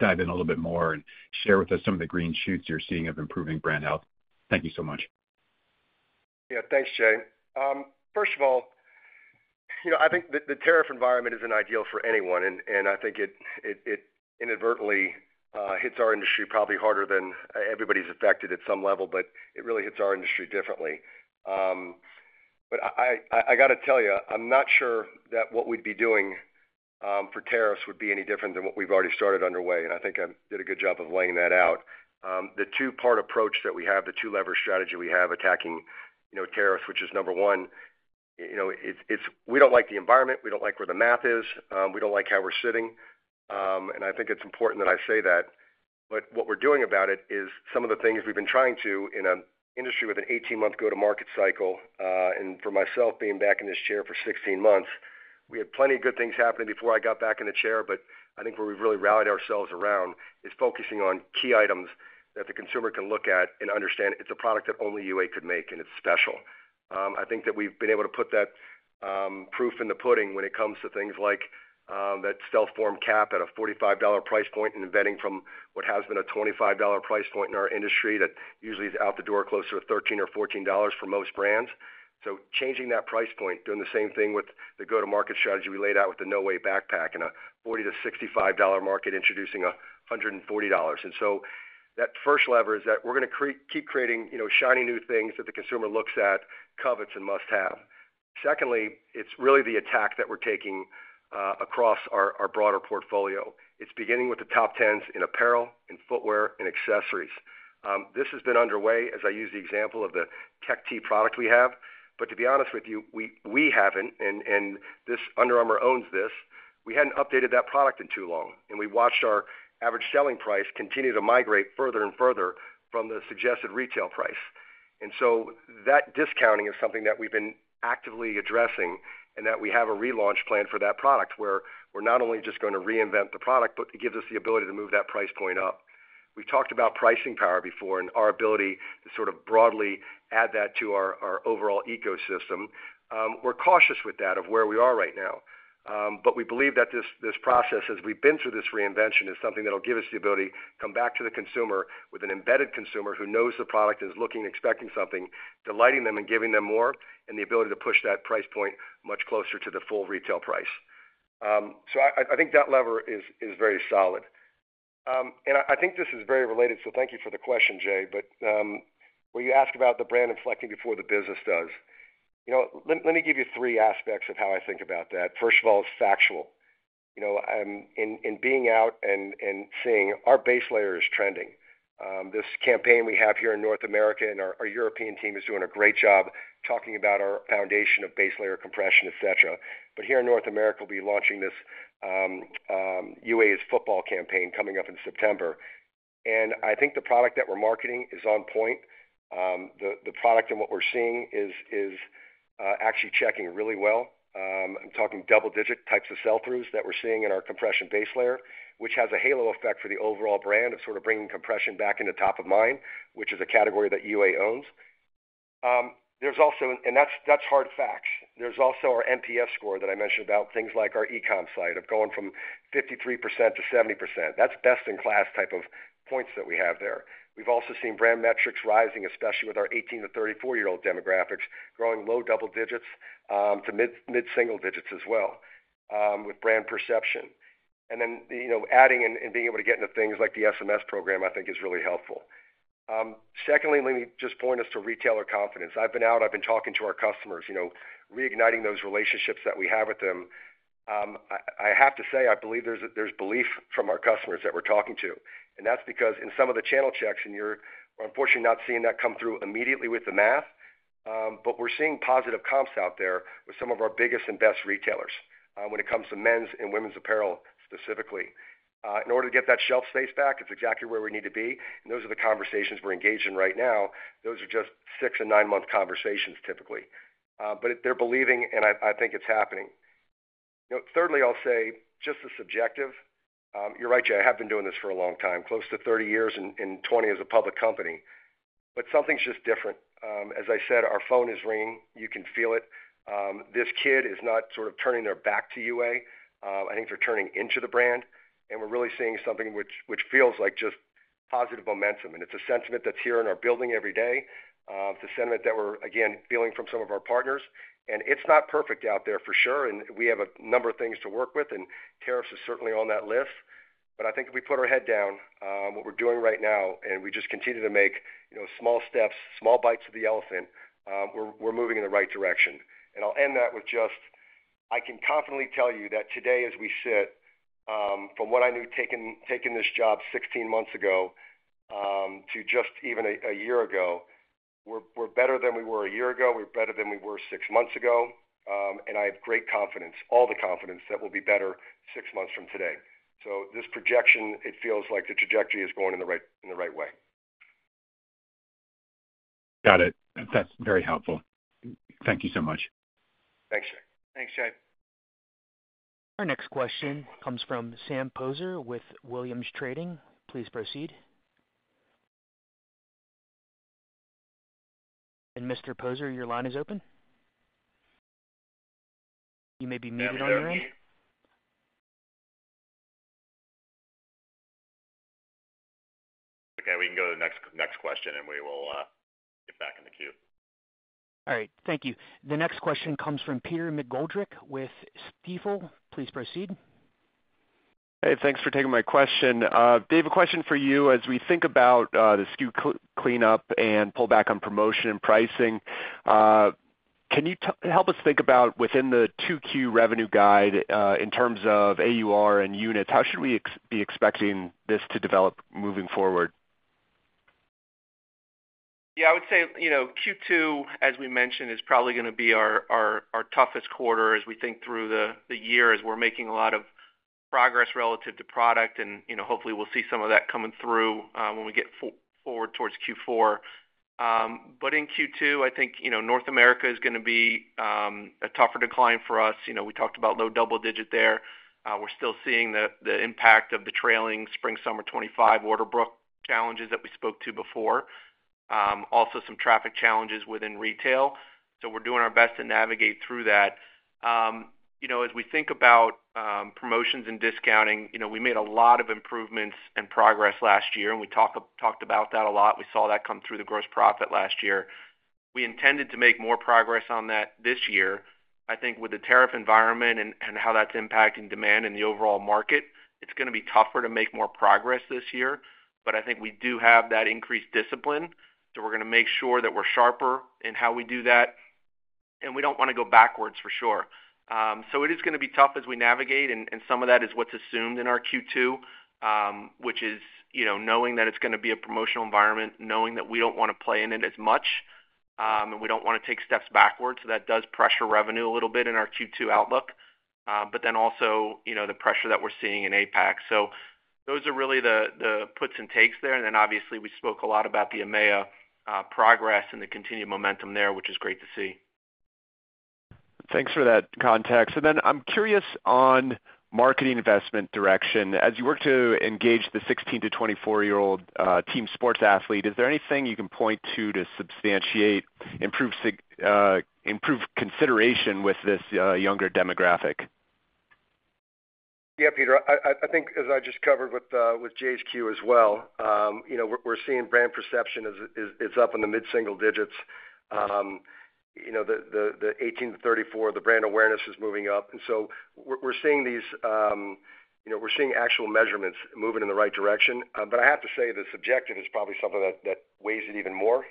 dive in a little bit more and share with us some of the green shoots you're seeing of improving brand health? Thank you so much. Yeah, thanks, Jay. First of all, I think the tariff environment isn't ideal for anyone, and I think it inadvertently hits our industry probably harder than everybody's affected at some level, but it really hits our industry differently. I got to tell you, I'm not sure that what we'd be doing for tariffs would be any different than what we've already started underway, and I think I did a good job of laying that out. The two-part approach that we have, the two-lever strategy we have attacking tariffs, which is number one, we don't like the environment, we don't like where the math is, we don't like how we're sitting, and I think it's important that I say that. What we're doing about it is some of the things we've been trying to, in an industry with an 18-month go-to-market cycle, and for myself being back in this chair for 16 months, we had plenty of good things happening before I got back in the chair, but I think where we've really rallied ourselves around is focusing on key items that the consumer can look at and understand it's a product that only Under Armour could make, and it's special. I think that we've been able to put that proof in the pudding when it comes to things like that Stealth Form cap at a $45 price point and inventing from what has been a $25 price point in our industry that usually is out the door close to $13 or $14 for most brands. Changing that price point, doing the same thing with the go-to-market strategy we laid out with the No Weigh Backpack in a $40-$65 market, introducing $140. That first lever is that we're going to keep creating shiny new things that the consumer looks at, covets, and must have. Secondly, it's really the attack that we're taking across our broader portfolio. It's beginning with the top 10s in apparel, in footwear, in accessories. This has been underway, as I use the example of the tech tee product we have. To be honest with you, we haven't, and Under Armour owns this, we hadn't updated that product in too long, and we watched our average selling price continue to migrate further and further from the suggested retail price. That discounting is something that we've been actively addressing and that we have a relaunch plan for that product where we're not only just going to reinvent the product, but it gives us the ability to move that price point up. We've talked about pricing power before and our ability to sort of broadly add that to our overall ecosystem. We're cautious with that of where we are right now. We believe that this process, as we've been through this reinvention, is something that'll give us the ability to come back to the consumer with an embedded consumer who knows the product and is looking and expecting something, delighting them and giving them more, and the ability to push that price point much closer to the full retail price. I think that lever is very solid. I think this is very related, so thank you for the question, Jay, but when you ask about the brand inflecting before the business does, let me give you three aspects of how I think about that. First of all, it's factual. In being out and seeing, our base layer is trending. This campaign we have here in North America and our European team is doing a great job talking about our foundation of base layer compression, et cetera. Here in North America, we'll be launching this UA's football campaign coming up in September. I think the product that we're marketing is on point. The product and what we're seeing is actually checking really well. I'm talking double-digit types of sell-throughs that we're seeing in our compression base layer, which has a halo effect for the overall brand of sort of bringing compression back into top of mind, which is a category that UA owns. That's hard facts. There's also our NPS score that I mentioned about things like our e-com site of going from 53%-70%. That's best-in-class type of points that we have there. We've also seen brand metrics rising, especially with our 18-34-year-old demographics, growing low double digits to mid-single digits as well, with brand perception. Adding and being able to get into things like the SMS program, I think, is really helpful. Secondly, let me just point us to retailer confidence. I've been out, I've been talking to our customers, reigniting those relationships that we have with them. I have to say, I believe there's belief from our customers that we're talking to. That's because in some of the channel checks, and you're unfortunately not seeing that come through immediately with the math, we're seeing positive comps out there with some of our biggest and best retailers when it comes to men's and women's apparel specifically. In order to get that shelf space back, it's exactly where we need to be. Those are the conversations we're engaged in right now. Those are just six- and nine-month conversations, typically. They're believing, and I think it's happening. Thirdly, I'll say just the subjective, you're right, Jay, I have been doing this for a long time, close to 30 years and 20 as a public company. Something's just different. As I said, our phone is ringing. You can feel it. This kid is not sort of turning their back to Under Armour. I think they're turning into the brand. We're really seeing something which feels like just positive momentum. It's a sentiment that's here in our building every day. It's a sentiment that we're, again, feeling from some of our partners. It's not perfect out there for sure. We have a number of things to work with, and tariffs are certainly on that list. I think if we put our head down, what we're doing right now, and we just continue to make small steps, small bites of the elephant, we're moving in the right direction. I'll end that with just, I can confidently tell you that today, as we sit, from what I knew taking this job 16 months ago to just even a year ago, we're better than we were a year ago. We're better than we were six months ago. I have great confidence, all the confidence that we'll be better six months from today. This projection, it feels like the trajectory is going in the right way. Got it. That's very helpful. Thank you so much. Thanks, Jay. Thanks, Jay. Our next question comes from Sam Poser with Williams Trading. Please proceed. Mr. Poser, your line is open. You may be muted on your end. Okay, we can go to the next question, and we will get back in the queue. All right. Thank you. The next question comes from Peter McGoldrick with Stifel. Please proceed. Hey, thanks for taking my question. Dave, a question for you. As we think about the SKU cleanup and pullback on promotion and pricing, can you help us think about within the 2Q revenue guide in terms of AUR and units, how should we be expecting this to develop moving forward? Yeah, I would say, you know, Q2, as we mentioned, is probably going to be our toughest quarter as we think through the year, as we're making a lot of progress relative to product. Hopefully, we'll see some of that coming through when we get forward towards Q4. In Q2, I think North America is going to be a tougher decline for us. We talked about low double digit there. We're still seeing the impact of the trailing Spring/Summer 2025 order book challenges that we spoke to before. Also, some traffic challenges within retail. We're doing our best to navigate through that. As we think about promotions and discounting, we made a lot of improvements and progress last year, and we talked about that a lot. We saw that come through the gross profit last year. We intended to make more progress on that this year. I think with the tariff environment and how that's impacting demand in the overall market, it's going to be tougher to make more progress this year. I think we do have that increased discipline. We're going to make sure that we're sharper in how we do that. We don't want to go backwards for sure. It is going to be tough as we navigate, and some of that is what's assumed in our Q2, which is knowing that it's going to be a promotional environment, knowing that we don't want to play in it as much, and we don't want to take steps backwards. That does pressure revenue a little bit in our Q2 outlook. Also, the pressure that we're seeing in APAC. Those are really the puts and takes there. Obviously, we spoke a lot about the AMEA progress and the continued momentum there, which is great to see. Thanks for that context. I'm curious on marketing investment direction. As you work to engage the 16-24-year-old team sports athlete, is there anything you can point to to substantiate, improve consideration with this younger demographic? Yeah, Peter, I think as I just covered with Jay's queue as well, we're seeing brand perception is up in the mid-single digits. The 18-34 years, the brand awareness is moving up. We're seeing these, we're seeing actual measurements moving in the right direction. I have to say the subjective is probably something that weighs it even more.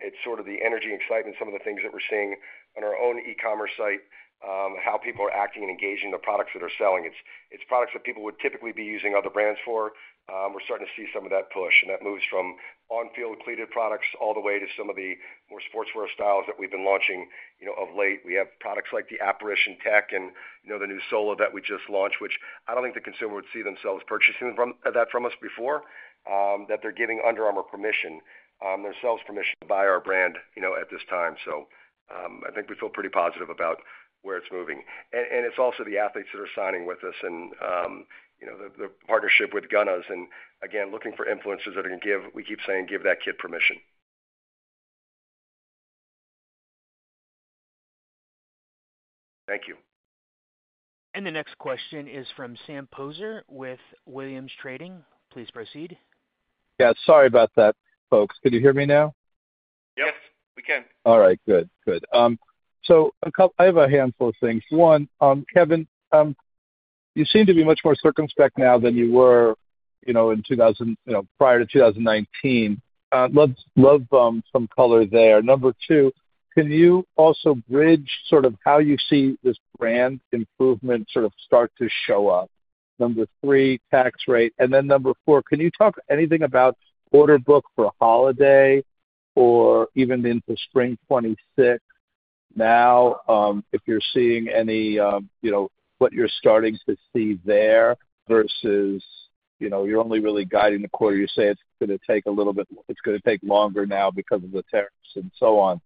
It's sort of the energy, excitement, some of the things that we're seeing on our own e-commerce site, how people are acting and engaging the products that are selling. It's products that people would typically be using other brands for. We're starting to see some of that push. That moves from on-field cleated products all the way to some of the more sportswear styles that we've been launching of late. We have products like the Apparition Tech and the new Sola that we just launched, which I don't think the consumer would see themselves purchasing that from us before, that they're giving Under Armour permission, their sales permission to buy our brand at this time. I think we feel pretty positive about where it's moving. It's also the athletes that are signing with us and the partnership with Gunnas. Again, looking for influencers that are going to give, we keep saying, give that kid permission. Thank you. The next question is from Sam Poser with Williams Trading. Please proceed. Sorry about that, folks. Can you hear me now? Yes, we can. All right, good. Good. I have a handful of things. One, Kevin, you seem to be much more circumspect now than you were in 2000, prior to 2019. I'd love some color there. Number two, can you also bridge sort of how you see this brand improvement sort of start to show up? Number three, tax rate. Number four, can you talk anything about order book for holiday or even into spring 2026 now, if you're seeing any, what you're starting to see there versus you're only really guiding the quarter. You say it's going to take a little bit, it's going to take longer now because of the tariffs and so on.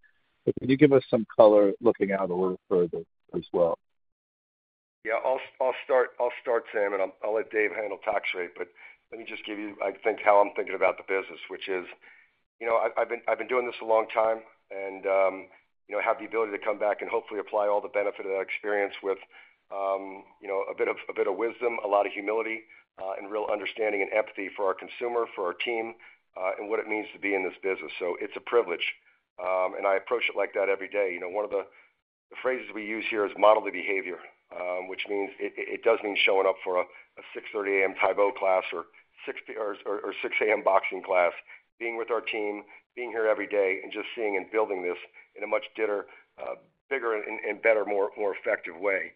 Can you give us some color looking out a little further as well? I'll start, Sam, and I'll let Dave handle tax rate. Let me just give you how I'm thinking about the business, which is, you know, I've been doing this a long time and have the ability to come back and hopefully apply all the benefit of that experience with a bit of wisdom, a lot of humility, and real understanding and empathy for our consumer, for our team, and what it means to be in this business. It's a privilege. I approach it like that every day. One of the phrases we use here is model the behavior, which means it does mean showing up for a 6:30 A.M. Tae Bo class or 6:00 A.M. boxing class, being with our team, being here every day, and just seeing and building this in a much bigger and better, more effective way.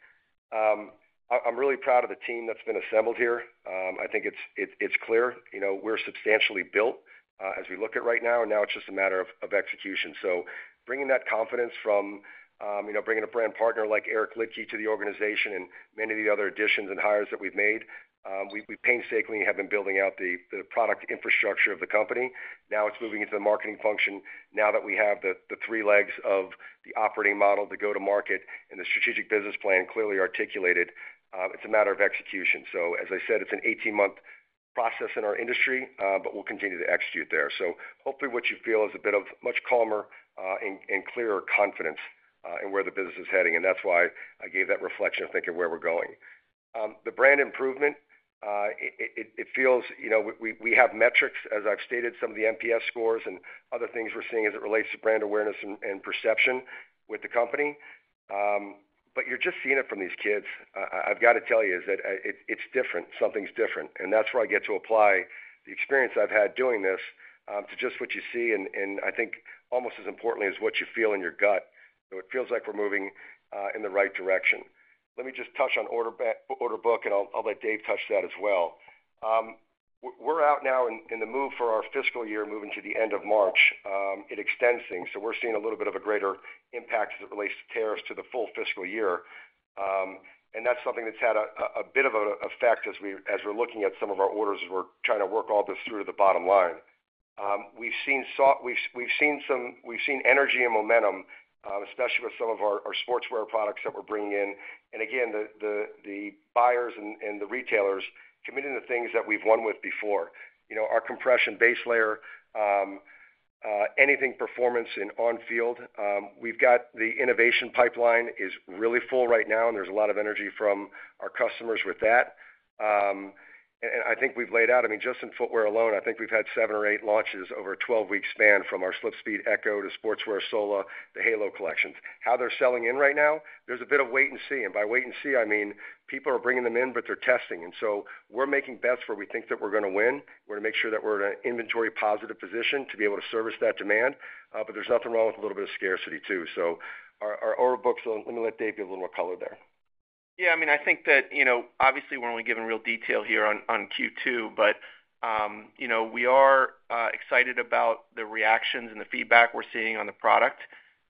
I'm really proud of the team that's been assembled here. I think it's clear we're substantially built as we look at right now, and now it's just a matter of execution. Bringing that confidence from bringing a brand partner like Eric Liedtke to the organization and many of the other additions and hires that we've made, we painstakingly have been building out the product infrastructure of the company. Now it's moving into the marketing function. Now that we have the three legs of the operating model, the go-to-market, and the strategic business plan clearly articulated, it's a matter of execution. As I said, it's an 18-month process in our industry, but we'll continue to execute there. Hopefully what you feel is a bit of much calmer and clearer confidence in where the business is heading. That's why I gave that reflection of thinking where we're going. The brand improvement, it feels, we have metrics, as I've stated, some of the NPS scores and other things we're seeing as it relates to brand awareness and perception with the company. You're just seeing it from these kids. I've got to tell you is that it's different. Something's different. That's where I get to apply the experience I've had doing this to just what you see and I think almost as importantly as what you feel in your gut. It feels like we're moving in the right direction. Let me just touch on order book, and I'll let Dave touch that as well. We're out now in the move for our fiscal year, moving to the end of March. It extends things. We're seeing a little bit of a greater impact as it relates to tariffs to the full fiscal year. That's something that's had a bit of an effect as we're looking at some of our orders as we're trying to work all this through to the bottom line. We've seen energy and momentum, especially with some of our sportswear products that we're bringing in. The buyers and the retailers are committing to things that we've won with before. You know, our compression base layer, anything performance in on-field, we've got the innovation pipeline is really full right now, and there's a lot of energy from our customers with that. I think we've laid out, I mean, just in footwear alone, I think we've had seven or eight launches over a 12-week span from our SlipSpeed Echo to Sportswear Sola, the Halo collections. How they're selling in right now, there's a bit of wait and see. By wait and see, I mean people are bringing them in, but they're testing. We're making bets where we think that we're going to win. We're going to make sure that we're in an inventory-positive position to be able to service that demand. There's nothing wrong with a little bit of scarcity too. Our order books, let me let Dave give a little more color there. Yeah, I mean, I think that, you know, obviously we're only giving real detail here on Q2, but we are excited about the reactions and the feedback we're seeing on the product.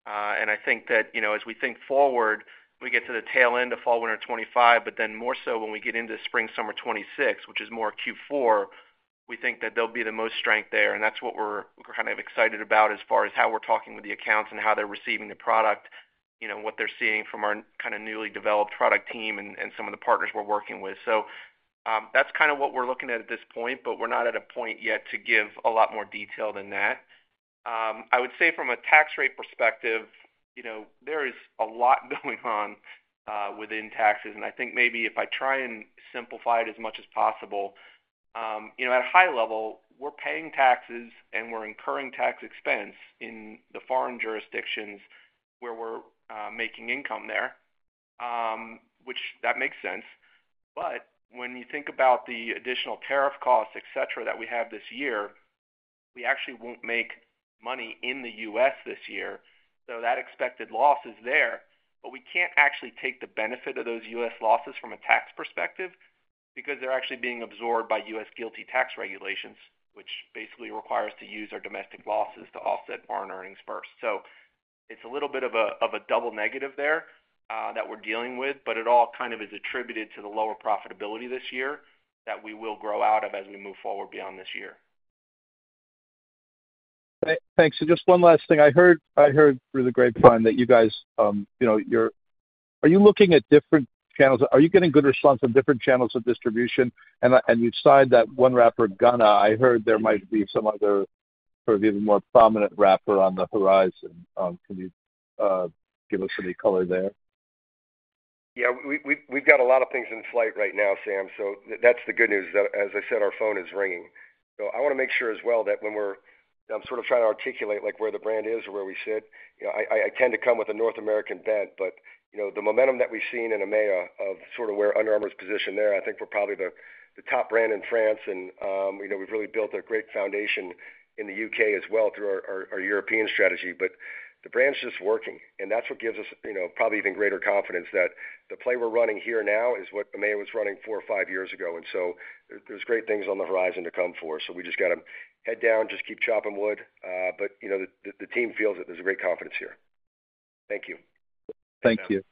I think that, you know, as we think forward, we get to the tail end of fall/winter 2025, but then more so when we get into spring/summer 2026, which is more Q4, we think that there'll be the most strength there. That's what we're kind of excited about as far as how we're talking with the accounts and how they're receiving the product, you know, and what they're seeing from our kind of newly developed product team and some of the partners we're working with. That's kind of what we're looking at at this point, but we're not at a point yet to give a lot more detail than that. I would say from a tax rate perspective, you know, there is a lot going on within taxes. I think maybe if I try and simplify it as much as possible, you know, at a high level, we're paying taxes and we're incurring tax expense in the foreign jurisdictions where we're making income there, which makes sense. When you think about the additional tariff costs, etc., that we have this year, we actually won't make money in the U.S. this year. That expected loss is there, but we can't actually take the benefit of those U.S. losses from a tax perspective because they're actually being absorbed by U.S. GILTI tax regulations, which basically requires us to use our domestic losses to offset foreign earnings first. It's a little bit of a double negative there that we're dealing with, but it all kind of is attributed to the lower profitability this year that we will grow out of as we move forward beyond this year. Thanks. Just one last thing. I heard through the grapevine that you guys, you know, are you looking at different channels? Are you getting good response on different channels of distribution? You signed that one rapper, Gunna. I heard there might be some other sort of even more prominent rapper on the horizon. Can you give us any color there? Yeah, we've got a lot of things in flight right now, Sam. That's the good news. As I said, our phone is ringing. I want to make sure as well that when we're, I'm sort of trying to articulate where the brand is or where we sit, you know, I tend to come with a North American bent, but the momentum that we've seen in AMEA of where Under Armour is positioned there, I think we're probably the top brand in France. We've really built a great foundation in the U.K. as well through our European strategy. The brand's just working, and that's what gives us probably even greater confidence that the play we're running here now is what AMEA was running four or five years ago. There are great things on the horizon to come for us. We just got to head down, just keep chopping wood. The team feels that there's a great confidence here. Thank you. Thank you.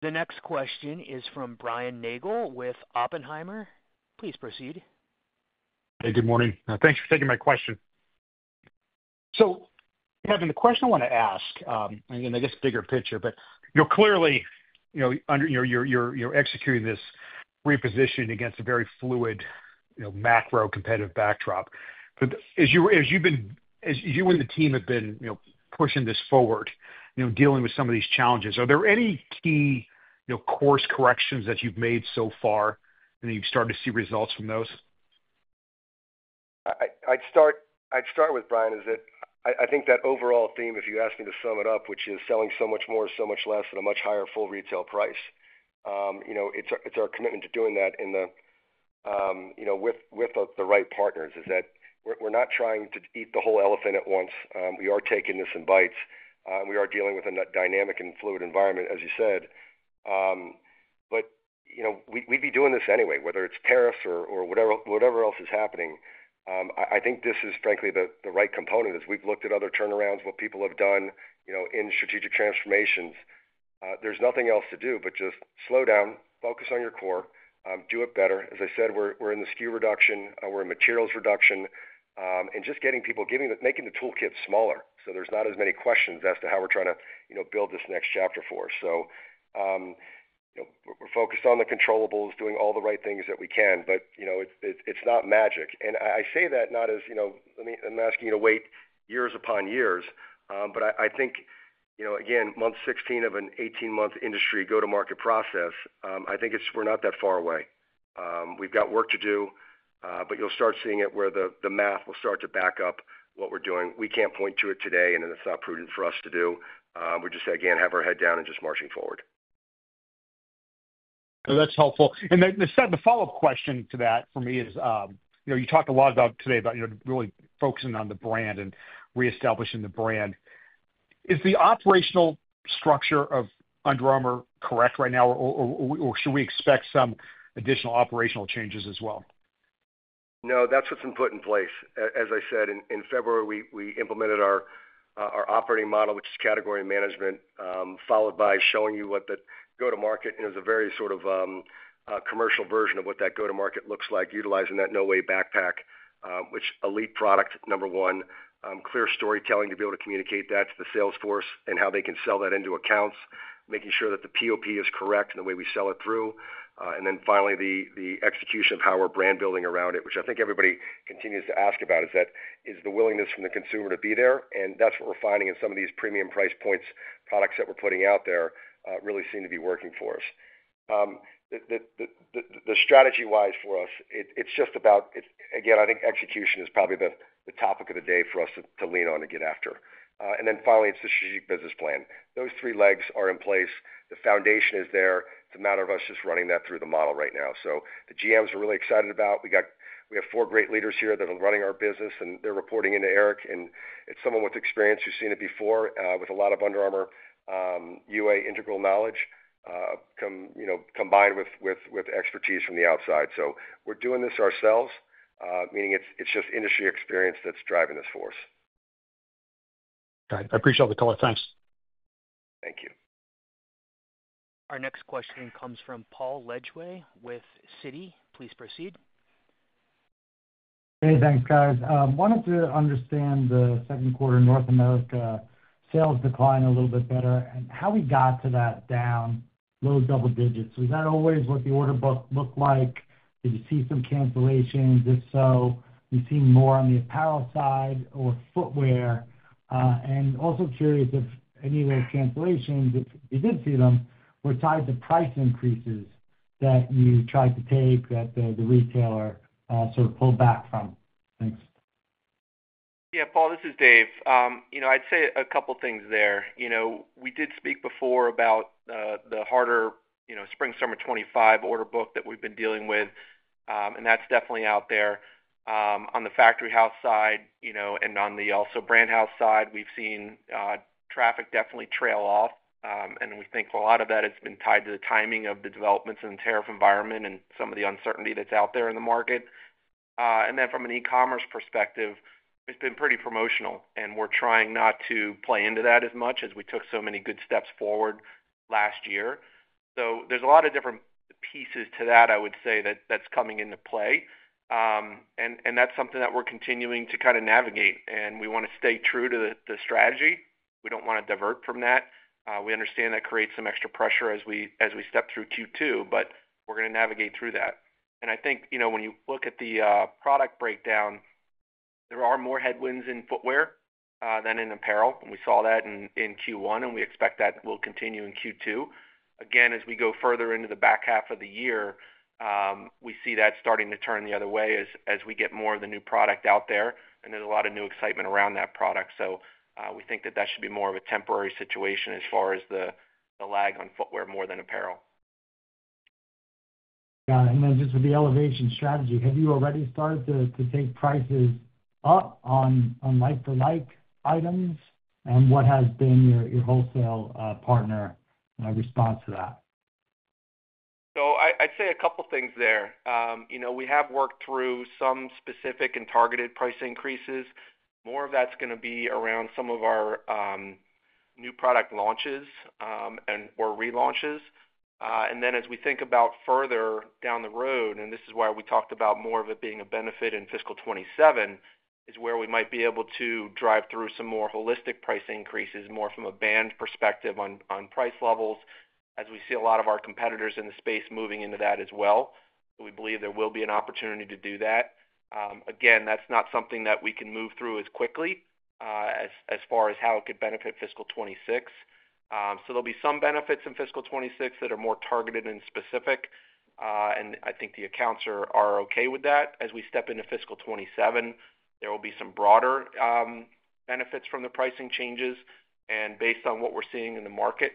The next question is from Brian Nagel with Oppenheimer. Please proceed. Hey, good morning. Thanks for taking my question. Kevin, the question I want to ask, and I guess bigger picture, you know, clearly, you know, you're executing this reposition against a very fluid, you know, macro competitive backdrop. As you and the team have been, you know, pushing this forward, you know, dealing with some of these challenges, are there any key, you know, course corrections that you've made so far and that you've started to see results from those? I'd start with Brian. I think that overall theme, if you ask me to sum it up, which is selling so much more, so much less at a much higher full retail price, it's our commitment to doing that with the right partners. We're not trying to eat the whole elephant at once. We are taking this in bites. We are dealing with a dynamic and fluid environment, as you said. We'd be doing this anyway, whether it's tariffs or whatever else is happening. I think this is frankly the right component as we've looked at other turnarounds, what people have done in strategic transformations. There's nothing else to do but just slow down, focus on your core, do it better. As I said, we're in the SKU reduction, we're in materials reduction, and just getting people, making the toolkit smaller so there's not as many questions as to how we're trying to build this next chapter for us. We're focused on the controllables, doing all the right things that we can, but it's not magic. I say that not as, let me ask you to wait years upon years, but I think, again, month 16 of an 18-month industry go-to-market process, I think we're not that far away. We've got work to do, but you'll start seeing it where the math will start to back up what we're doing. We can't point to it today, and it's not prudent for us to do. We just have our head down and just marching forward. That's helpful. The follow-up question to that for me is, you talked a lot today about really focusing on the brand and reestablishing the brand. Is the operational structure of Under Armour correct right now, or should we expect some additional operational changes as well? No, that's what's been put in place. As I said, in February, we implemented our operating model, which is category management, followed by showing you what the go-to-market is, a very sort of commercial version of what that go-to-market looks like, utilizing that No Weigh Backpack, which is an elite product, number one, clear storytelling to be able to communicate that to the sales force and how they can sell that into accounts, making sure that the POP is correct in the way we sell it through. Finally, the execution of how we're brand building around it, which I think everybody continues to ask about, is that is the willingness from the consumer to be there. That's what we're finding in some of these premium price points products that we're putting out there really seem to be working for us. The strategy-wise for us, it's just about, again, I think execution is probably the topic of the day for us to lean on to get after. Finally, it's the strategic business plan. Those three legs are in place. The foundation is there. It's a matter of us just running that through the model right now. The GMs are really excited about it. We have four great leaders here that are running our business, and they're reporting into Eric. It's someone with experience who's seen it before with a lot of Under Armour UA integral knowledge, combined with expertise from the outside. We're doing this ourselves, meaning it's just industry experience that's driving this for us. I appreciate all the color. Thanks. Thank you. Our next question comes from Paul Ledgway with Citi. Please proceed. Hey, thanks, guys. I wanted to understand the second quarter North America sales decline a little bit better and how we got to that down low double digits. Was that always what the order book looked like? Did you see some cancellations? If so, did you see more on the apparel side or footwear? I am also curious if any of those cancellations, if you didn't see them, were tied to price increases that you tried to take that the retailer sort of pulled back from. Thanks. Yeah, Paul, this is Dave. I'd say a couple of things there. We did speak before about the harder spring/summer 2025 order book that we've been dealing with, and that's definitely out there. On the factory house side, and on the also brand house side, we've seen traffic definitely trail off. We think a lot of that has been tied to the timing of the developments in the tariff environment and some of the uncertainty that's out there in the market. From an e-commerce perspective, it's been pretty promotional, and we're trying not to play into that as much as we took so many good steps forward last year. There are a lot of different pieces to that, I would say, that's coming into play. That's something that we're continuing to kind of navigate. We want to stay true to the strategy. We don't want to divert from that. We understand that creates some extra pressure as we step through Q2, but we're going to navigate through that. I think, when you look at the product breakdown, there are more headwinds in footwear than in apparel. We saw that in Q1, and we expect that will continue in Q2. As we go further into the back half of the year, we see that starting to turn the other way as we get more of the new product out there. There's a lot of new excitement around that product. We think that should be more of a temporary situation as far as the lag on footwear more than apparel. Yeah, with the elevation strategy, have you already started to take prices up on like-for-like items? What has been your wholesale partner response to that? I'd say a couple of things there. We have worked through some specific and targeted price increases. More of that's going to be around some of our new product launches and/or relaunches. As we think about further down the road, and this is why we talked about more of it being a benefit in fiscal 2027, is where we might be able to drive through some more holistic price increases, more from a band perspective on price levels, as we see a lot of our competitors in the space moving into that as well. We believe there will be an opportunity to do that. That's not something that we can move through as quickly as far as how it could benefit fiscal 2026. There will be some benefits in fiscal 2026 that are more targeted and specific. I think the accounts are okay with that. As we step into fiscal 2027, there will be some broader benefits from the pricing changes. Based on what we're seeing in the market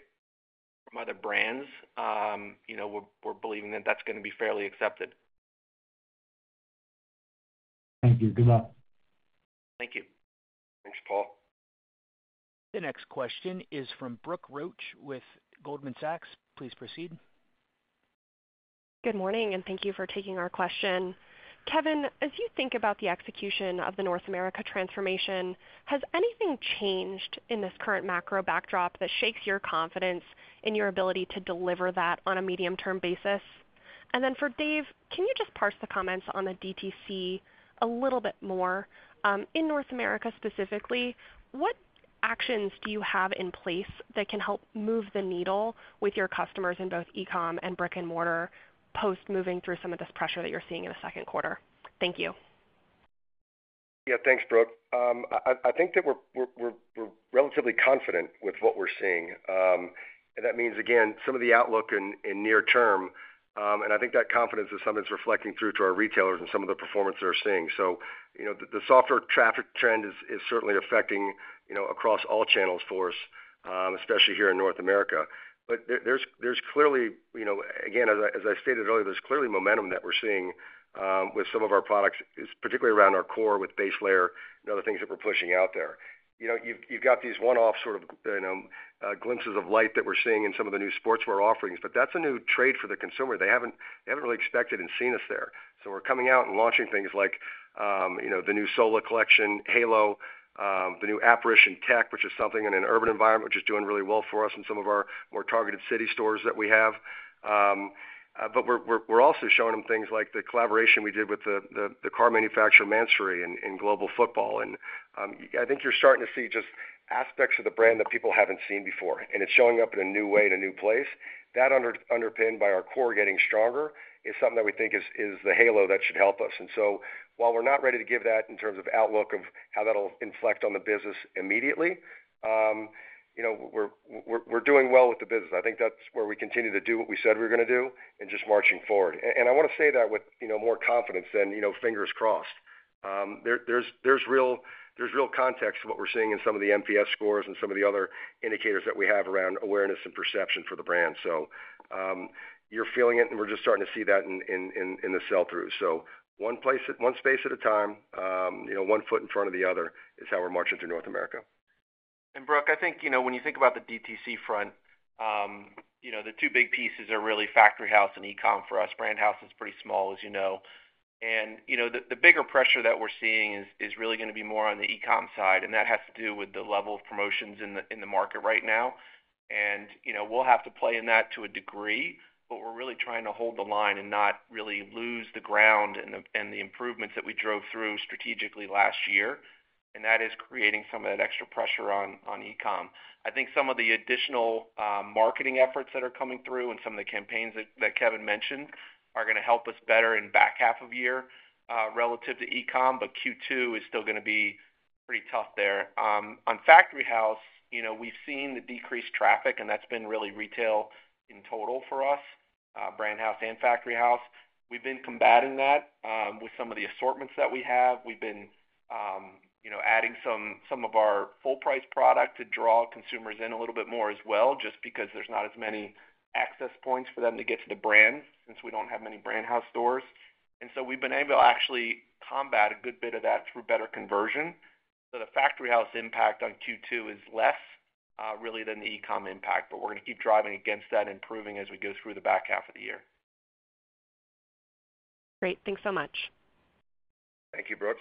from other brands, we're believing that that's going to be fairly accepted. Thank you, good luck. Thank you. Thanks, Paul. The next question is from Brooke Roach with Goldman Sachs. Please proceed. Good morning, and thank you for taking our question. Kevin, as you think about the execution of the North America transformation, has anything changed in this current macro backdrop that shakes your confidence in your ability to deliver that on a medium-term basis? For Dave, can you just parse the comments on the DTC a little bit more? In North America specifically, what actions do you have in place that can help move the needle with your customers in both e-com and brick-and-mortar post moving through some of this pressure that you're seeing in the second quarter? Thank you. Yeah, thanks, Brooke. I think that we're relatively confident with what we're seeing. That means, again, some of the outlook in near term. I think that confidence is something that's reflecting through to our retailers and some of the performance they're seeing. The softer traffic trend is certainly affecting, you know, across all channels for us, especially here in North America. There's clearly, you know, again, as I stated earlier, there's clearly momentum that we're seeing with some of our products, particularly around our core with base layer and other things that we're pushing out there. You've got these one-off sort of, you know, glimpses of light that we're seeing in some of the new sportswear offerings, but that's a new trade for the consumer. They haven't really expected and seen us there. We're coming out and launching things like, you know, the new Sola collection, Halo, the new Apparition Tech, which is something in an urban environment, which is doing really well for us in some of our more targeted city stores that we have. We're also showing them things like the collaboration we did with the car manufacturer Mansory in global football. I think you're starting to see just aspects of the brand that people haven't seen before. It's showing up in a new way in a new place. That underpinned by our core getting stronger is something that we think is the halo that should help us. While we're not ready to give that in terms of outlook of how that'll inflect on the business immediately, you know, we're doing well with the business. I think that's where we continue to do what we said we were going to do and just marching forward. I want to say that with, you know, more confidence than, you know, fingers crossed. There's real context to what we're seeing in some of the NPS scores and some of the other indicators that we have around awareness and perception for the brand. You're feeling it, and we're just starting to see that in the sell-throughs. One place at one space at a time, you know, one foot in front of the other is how we're marching through North America. Brooke, I think, when you think about the DTC front, the two big pieces are really factory house and e-com for us. Brand house is pretty small, as you know. The bigger pressure that we're seeing is really going to be more on the e-com side. That has to do with the level of promotions in the market right now. We'll have to play in that to a degree, but we're really trying to hold the line and not really lose the ground and the improvements that we drove through strategically last year. That is creating some of that extra pressure on e-com. I think some of the additional marketing efforts that are coming through and some of the campaigns that Kevin mentioned are going to help us better in the back half of the year relative to e-com, but Q2 is still going to be pretty tough there. On factory house, we've seen the decreased traffic, and that's been really retail in total for us, brand house and factory house. We've been combating that with some of the assortments that we have. We've been adding some of our full-price product to draw consumers in a little bit more as well, just because there's not as many access points for them to get to the brand since we don't have many brand house stores. We've been able to actually combat a good bit of that through better conversion. The factory house impact on Q2 is less really than the e-com impact, but we're going to keep driving against that and improving as we go through the back half of the year. Great, thanks so much. Thank you, Brooke.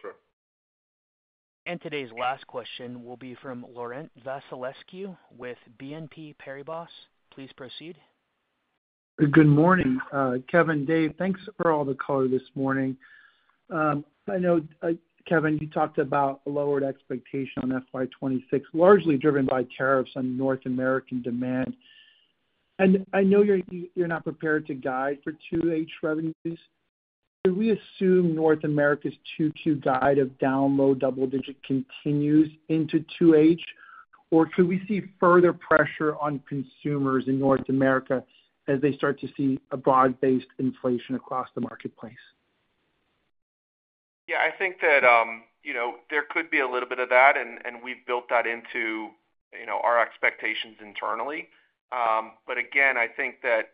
Today's last question will be from Laurent Vasilescu with BNP Paribas. Please proceed. Good morning, Kevin, Dave. Thanks for all the color this morning. I know, Kevin, you talked about a lowered expectation on FY 2026, largely driven by tariffs on North American demand. I know you're not prepared to guide for 2H revenues. Could we assume North America's 2Q guide of down low double digit continues into 2H, or could we see further pressure on consumers in North America as they start to see a broad-based inflation across the marketplace? Yeah, I think that there could be a little bit of that, and we've built that into our expectations internally. Again, I think that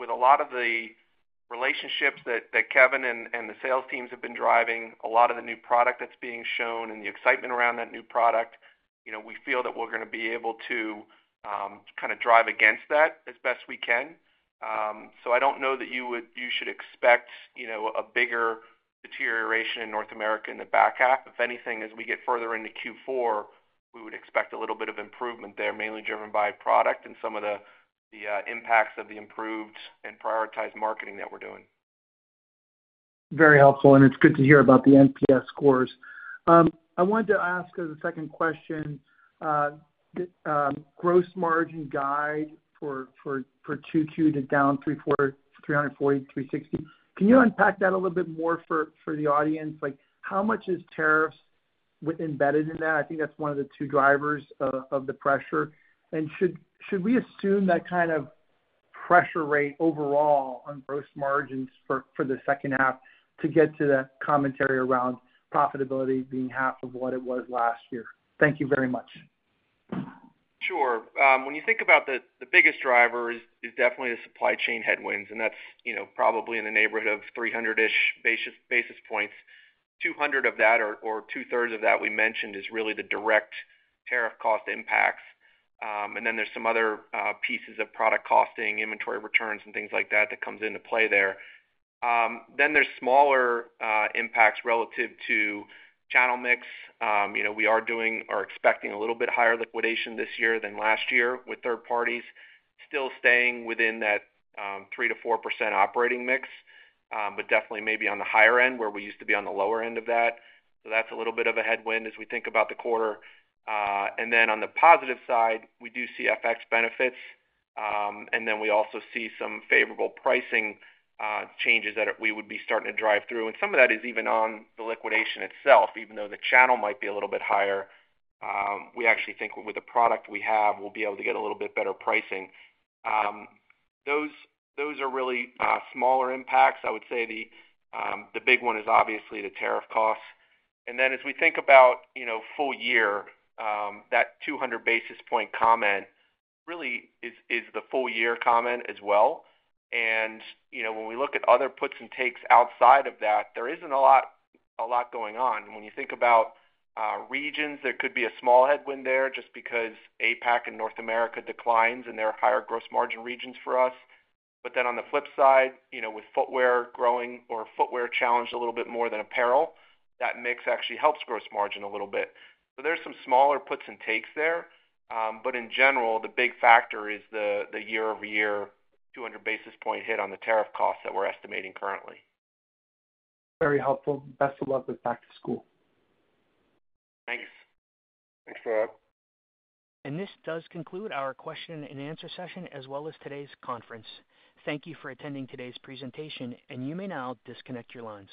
with a lot of the relationships that Kevin and the sales teams have been driving, a lot of the new product that's being shown and the excitement around that new product, we feel that we're going to be able to kind of drive against that as best we can. I don't know that you would. should expect, you know, a bigger deterioration in North America in the back half. If anything, as we get further into Q4, we would expect a little bit of improvement there, mainly driven by product and some of the impacts of the improved and prioritized marketing that we're doing. Very helpful, and it's good to hear about the NPS scores. I wanted to ask as a second question, the gross margin guide for Q2 to down $340, $360. Can you unpack that a little bit more for the audience? Like, how much is tariffs embedded in that? I think that's one of the two drivers of the pressure. Should we assume that kind of pressure rate overall on gross margins for the second half to get to the commentary around profitability being half of what it was last year? Thank you very much. Sure. When you think about the biggest drivers, it's definitely the supply chain headwinds, and that's probably in the neighborhood of 300-ish basis points. 200 basis points of that, or 2/3 of that we mentioned, is really the direct tariff cost impacts. There are some other pieces of product costing, inventory returns, and things like that that come into play there. There are smaller impacts relative to channel mix. We are doing or expecting a little bit higher liquidation this year than last year with third parties, still staying within that 3%-4% operating mix, but definitely maybe on the higher end where we used to be on the lower end of that. That's a little bit of a headwind as we think about the quarter. On the positive side, we do see FX benefits, and we also see some favorable pricing changes that we would be starting to drive through. Some of that is even on the liquidation itself, even though the channel might be a little bit higher. We actually think with the product we have, we'll be able to get a little bit better pricing. Those are really smaller impacts. I would say the big one is obviously the tariff costs. As we think about full year, that 200 basis point comment really is the full year comment as well. When we look at other puts and takes outside of that, there isn't a lot going on. When you think about regions, there could be a small headwind there just because APAC and North America declines and they're higher gross margin regions for us. On the flip side, with footwear growing or footwear challenged a little bit more than apparel, that mix actually helps gross margin a little bit. There are some smaller puts and takes there. In general, the big factor is the year-over-year 200 basis point hit on the tariff costs that we're estimating currently. Very helpful. Best of luck with back to school. Thanks. Thanks for that. This does conclude our question and answer session, as well as today's conference. Thank you for attending today's presentation, and you may now disconnect your lines.